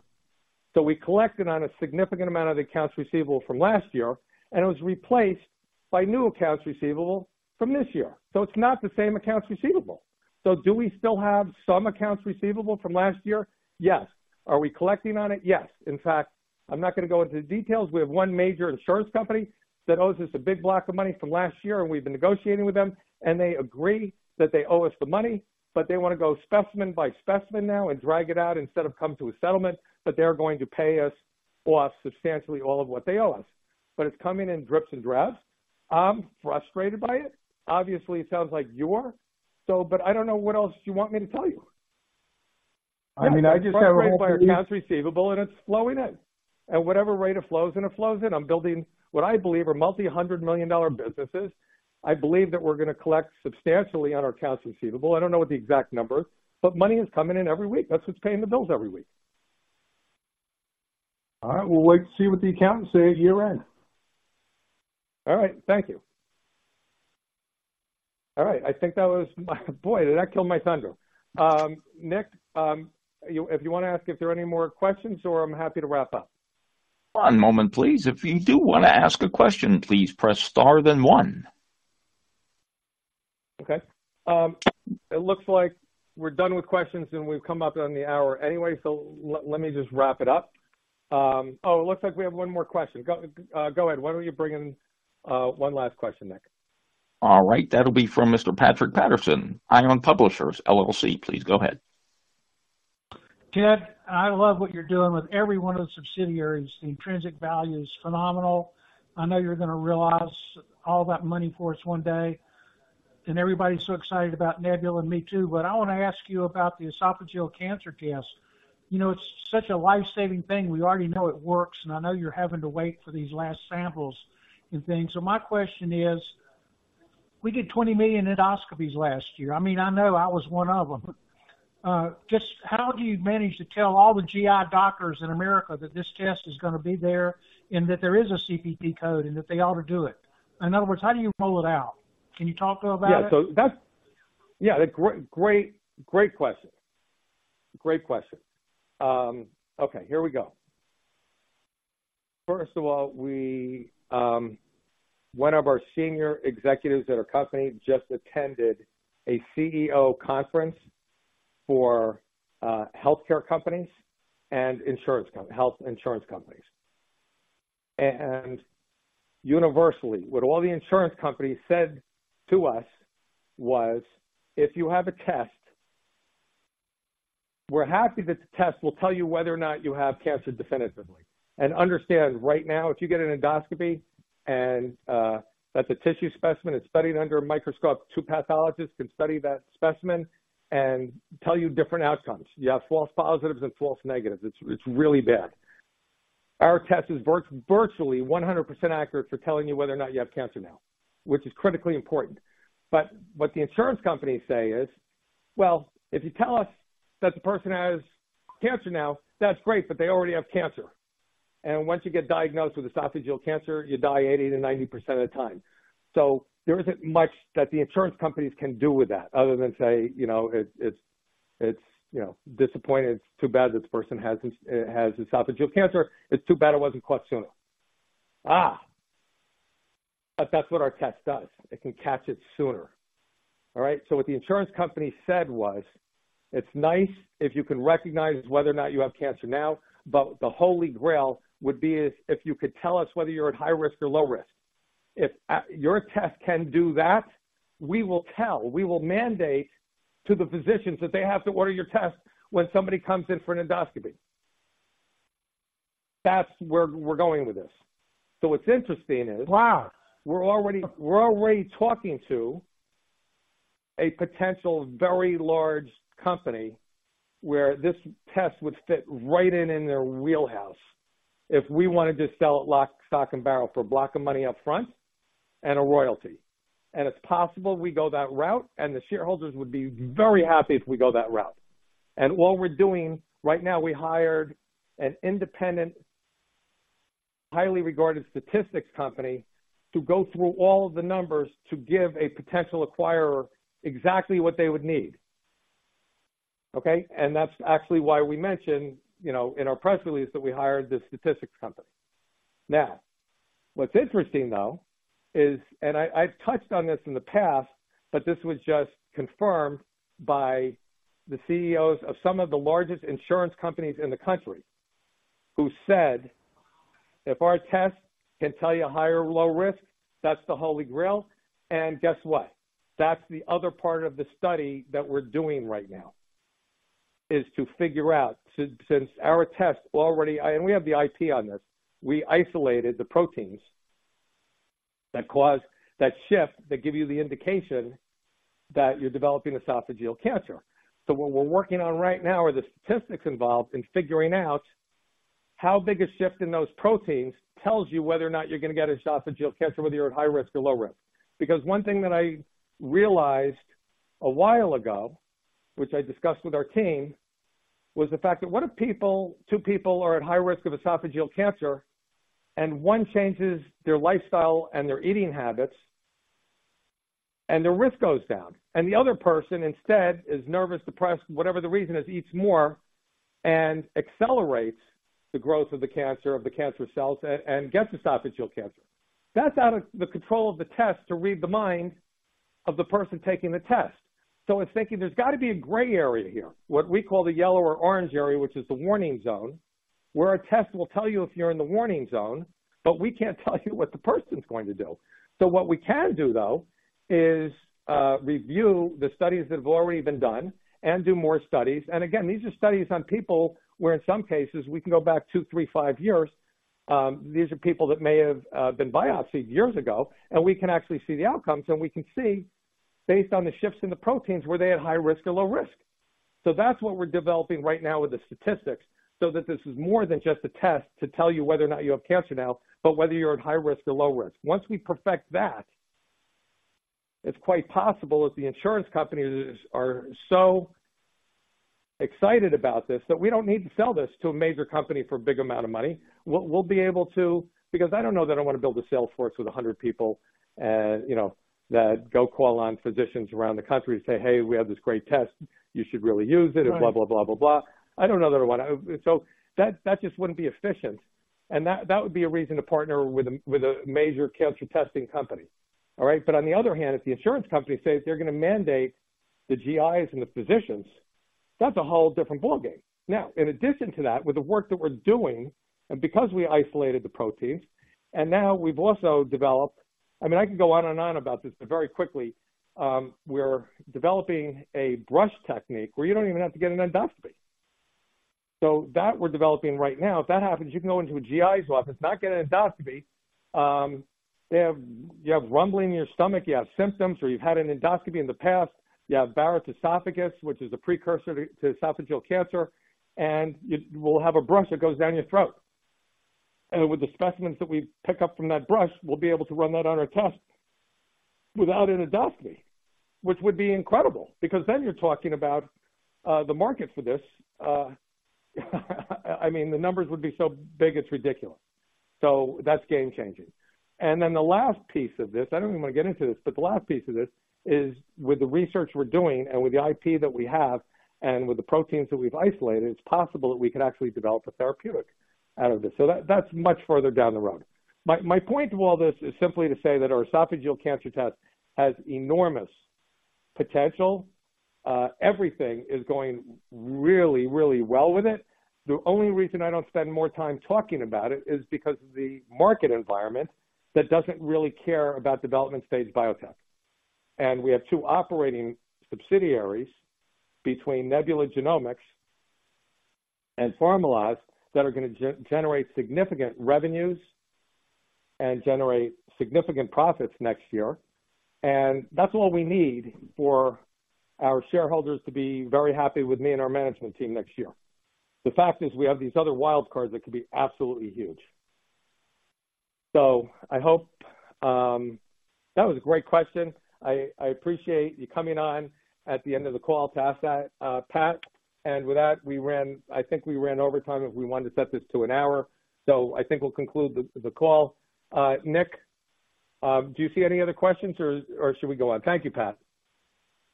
So we collected on a significant amount of the accounts receivable from last year, and it was replaced by new accounts receivable from this year. So it's not the same accounts receivable. So do we still have some accounts receivable from last year? Yes. Are we collecting on it? Yes. In fact, I'm not gonna go into the details. We have one major insurance company that owes us a big block of money from last year, and we've been negotiating with them, and they agree that they owe us the money, but they wanna go specimen by specimen now and drag it out instead of come to a settlement, but they're going to pay us, plus, substantially all of what they owe us. But it's coming in drips and drabs. I'm frustrated by it. Obviously, it sounds like you are. So, but I don't know what else you want me to tell you. I mean, I just have a- Frustrated by our accounts receivable, and it's flowing in. At whatever rate it flows in, it flows in. I'm building what I believe are multi-hundred-million-dollar businesses. I believe that we're gonna collect substantially on our accounts receivable. I don't know what the exact number, but money is coming in every week. That's what's paying the bills every week. All right. We'll wait to see what the accountants say at year-end. All right. Thank you... All right. I think that was, boy, did that kill my thunder? Nick, you, if you want to ask if there are any more questions, or I'm happy to wrap up. One moment, please. If you do want to ask a question, please press Star, then one. Okay. It looks like we're done with questions, and we've come up on the hour anyway, so let me just wrap it up. Oh, it looks like we have one more question. Go, go ahead. Why don't you bring in one last question, Nick? All right. That'll be from Mr. Patrick Patterson, Ion Publishers, LLC. Please go ahead. Ted, I love what you're doing with every one of the subsidiaries. The intrinsic value is phenomenal. I know you're gonna realize all that money for us one day, and everybody's so excited about Nebula and me, too. But I want to ask you about the esophageal cancer test. You know, it's such a life-saving thing. We already know it works, and I know you're having to wait for these last samples and things. So my question is, we did 20 million endoscopies last year. I mean, I know I was one of them. Just how do you manage to tell all the GI doctors in America that this test is gonna be there and that there is a CPT code and that they ought to do it? In other words, how do you roll it out? Can you talk about it? Yeah, great, great, great question. Great question. Okay, here we go. First of all, we, one of our senior executives at our company just attended a CEO conference for healthcare companies and insurance companies, health insurance companies. And universally, what all the insurance companies said to us was, "If you have a test, we're happy that the test will tell you whether or not you have cancer definitively." And understand right now, if you get an endoscopy and that's a tissue specimen, it's studied under a microscope. Two pathologists can study that specimen and tell you different outcomes. You have false positives and false negatives. It's really bad. Our test is virtually 100% accurate for telling you whether or not you have cancer now, which is critically important. But what the insurance companies say is, "Well, if you tell us that the person has cancer now, that's great, but they already have cancer." And once you get diagnosed with esophageal cancer, you die 80%-90% of the time. So there isn't much that the insurance companies can do with that other than say, you know, it's you know, disappointing. It's too bad that the person has esophageal cancer. It's too bad it wasn't caught sooner. Ah! But that's what our test does. It can catch it sooner. All right? So what the insurance company said was, "It's nice if you can recognize whether or not you have cancer now, but the Holy Grail would be if you could tell us whether you're at high risk or low risk. If your test can do that, we will tell, we will mandate to the physicians that they have to order your test when somebody comes in for an endoscopy." That's where we're going with this. So what's interesting is- Wow! We're already talking to a potential very large company where this test would fit right in their wheelhouse if we wanted to sell it lock, stock, and barrel for a block of money up front and a royalty. It's possible we go that route, and the shareholders would be very happy if we go that route. What we're doing right now, we hired an independent, highly regarded statistics company to go through all of the numbers to give a potential acquirer exactly what they would need. Okay? That's actually why we mentioned, you know, in our press release that we hired this statistics company. Now, what's interesting, though, is, and I've touched on this in the past, but this was just confirmed by the CEOs of some of the largest insurance companies in the country, who said, "If our test can tell you high or low risk, that's the Holy Grail." And guess what? That's the other part of the study that we're doing right now, is to figure out, since our test already... And we have the IP on this. We isolated the proteins that cause that shift, that give you the indication that you're developing esophageal cancer. So what we're working on right now are the statistics involved in figuring out how big a shift in those proteins tells you whether or not you're gonna get esophageal cancer, whether you're at high risk or low risk. Because one thing that I realized a while ago, which I discussed with our team, was the fact that what if people, two people are at high risk of esophageal cancer and one changes their lifestyle and their eating habits, and their risk goes down, and the other person instead is nervous, depressed, whatever the reason is, eats more and accelerates the growth of the cancer, of the cancer cells and, and gets esophageal cancer. That's out of the control of the test to read the mind of the person taking the test. So it's thinking there's got to be a gray area here, what we call the yellow or orange area, which is the warning zone, where a test will tell you if you're in the warning zone, but we can't tell you what the person's going to do. So what we can do, though, is review the studies that have already been done and do more studies. And again, these are studies on people where in some cases we can go back two, three, five years. These are people that may have been biopsied years ago, and we can actually see the outcomes, and we can see, based on the shifts in the proteins, were they at high risk or low risk? So that's what we're developing right now with the statistics, so that this is more than just a test to tell you whether or not you have cancer now, but whether you're at high risk or low risk. Once we perfect that, it's quite possible that the insurance companies are so excited about this, that we don't need to sell this to a major company for a big amount of money. We'll be able to, because I don't know that I wanna build a sales force with 100 people and, you know, that go call on physicians around the country to say, "Hey, we have this great test. You should really use it," and blah, blah, blah, blah, blah. I don't know that I want. So that just wouldn't be efficient, and that would be a reason to partner with a major cancer testing company. All right? But on the other hand, if the insurance company says they're gonna mandate the GIs and the physicians, that's a whole different ballgame. Now, in addition to that, with the work that we're doing, and because we isolated the proteins, and now we've also developed... I mean, I could go on and on about this, but very quickly, we're developing a brush technique where you don't even have to get an endoscopy. So that we're developing right now. If that happens, you can go into a GI's office, not get an endoscopy. You have, you have rumbling in your stomach, you have symptoms, or you've had an endoscopy in the past. You have Barrett's esophagus, which is a precursor to esophageal cancer, and you will have a brush that goes down your throat. And with the specimens that we pick up from that brush, we'll be able to run that on our test without an endoscopy, which would be incredible, because then you're talking about the market for this. I mean, the numbers would be so big, it's ridiculous. So that's game-changing. Then the last piece of this, I don't even want to get into this, but the last piece of this is with the research we're doing and with the IP that we have and with the proteins that we've isolated, it's possible that we could actually develop a therapeutic out of this. So that's much further down the road. My point to all this is simply to say that our Esophageal Cancer Test has enormous potential. Everything is going really, really well with it. The only reason I don't spend more time talking about it is because of the market environment that doesn't really care about development-stage biotech. And we have two operating subsidiaries between Nebula Genomics and Pharmaloz that are gonna generate significant revenues and generate significant profits next year. That's all we need for our shareholders to be very happy with me and our management team next year. The fact is we have these other wild cards that could be absolutely huge. So I hope... That was a great question. I appreciate you coming on at the end of the call to ask that, Pat, and with that, we ran, I think we ran over time, if we wanted to set this to an hour. So I think we'll conclude the call. Nick, do you see any other questions or should we go on? Thank you, Pat.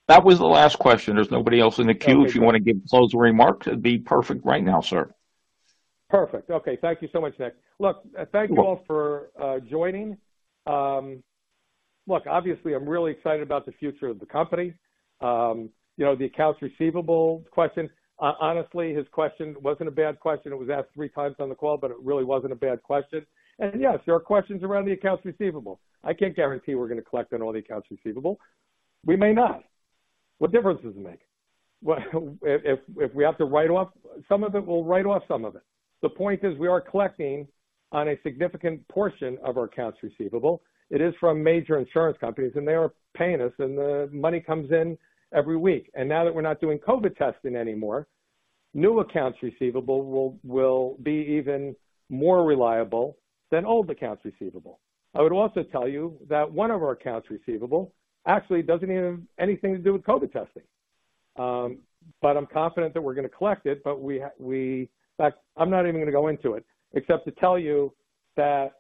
That was the last question. There's nobody else in the queue. If you wanna give closing remarks, it'd be perfect right now, sir. Perfect. Okay. Thank you so much, Nick. Look, thank you all for joining. Look, obviously, I'm really excited about the future of the company. You know, the accounts receivable question, honestly, his question wasn't a bad question. It was asked three times on the call, but it really wasn't a bad question. And yes, there are questions around the accounts receivable. I can't guarantee we're gonna collect on all the accounts receivable. We may not. What difference does it make? Well, if we have to write off some of it, we'll write off some of it. The point is, we are collecting on a significant portion of our accounts receivable. It is from major insurance companies, and they are paying us, and the money comes in every week. Now that we're not doing COVID testing anymore, new accounts receivable will be even more reliable than old accounts receivable. I would also tell you that one of our accounts receivable actually doesn't have anything to do with COVID testing. But I'm confident that we're gonna collect it, but, in fact, I'm not even gonna go into it, except to tell you that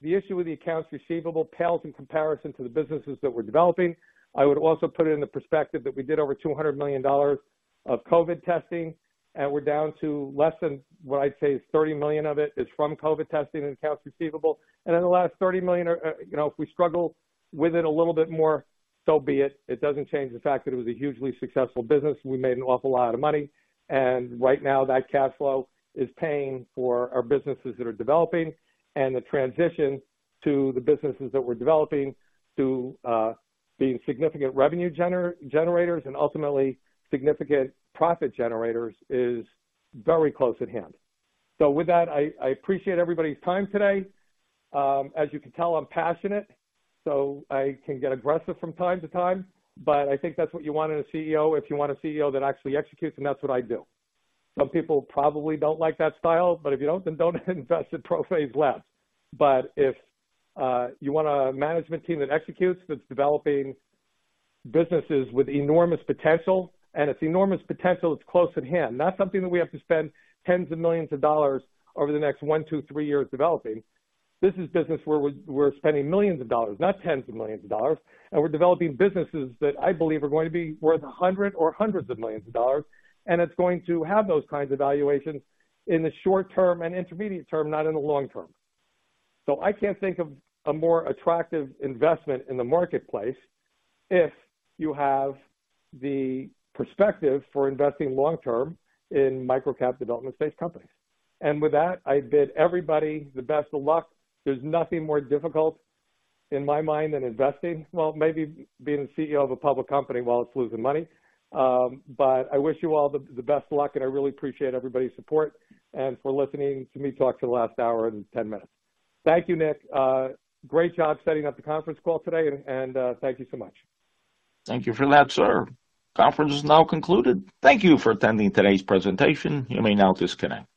the issue with the accounts receivable pales in comparison to the businesses that we're developing. I would also put it in the perspective that we did over $200 million of COVID testing, and we're down to less than what I'd say is $30 million of it is from COVID testing and accounts receivable. And in the last $30 million, you know, if we struggle with it a little bit more, so be it. It doesn't change the fact that it was a hugely successful business. We made an awful lot of money, and right now, that cash flow is paying for our businesses that are developing and the transition to the businesses that we're developing to being significant revenue generators and ultimately significant profit generators is very close at hand. So with that, I appreciate everybody's time today. As you can tell, I'm passionate, so I can get aggressive from time to time, but I think that's what you want in a CEO. If you want a CEO that actually executes, and that's what I do. Some people probably don't like that style, but if you don't, then don't invest in ProPhase Labs. But if you want a management team that executes, that's developing businesses with enormous potential, and it's enormous potential, it's close at hand. Not something that we have to spend $10s of millions over the next 1-3 years developing. This is business where we're spending millions of dollars, not $10s of millions, and we're developing businesses that I believe are going to be worth $100 or hundreds of millions, and it's going to have those kinds of valuations in the short term and intermediate term, not in the long term. So I can't think of a more attractive investment in the marketplace if you have the perspective for investing long term in microcap development-stage companies. And with that, I bid everybody the best of luck. There's nothing more difficult in my mind than investing. Well, maybe being a CEO of a public company while it's losing money. But I wish you all the best luck, and I really appreciate everybody's support and for listening to me talk for the last hour and 10 minutes. Thank you, Nick. Great job setting up the conference call today, and thank you so much. Thank you for that, sir. Conference is now concluded. Thank you for attending today's presentation. You may now disconnect.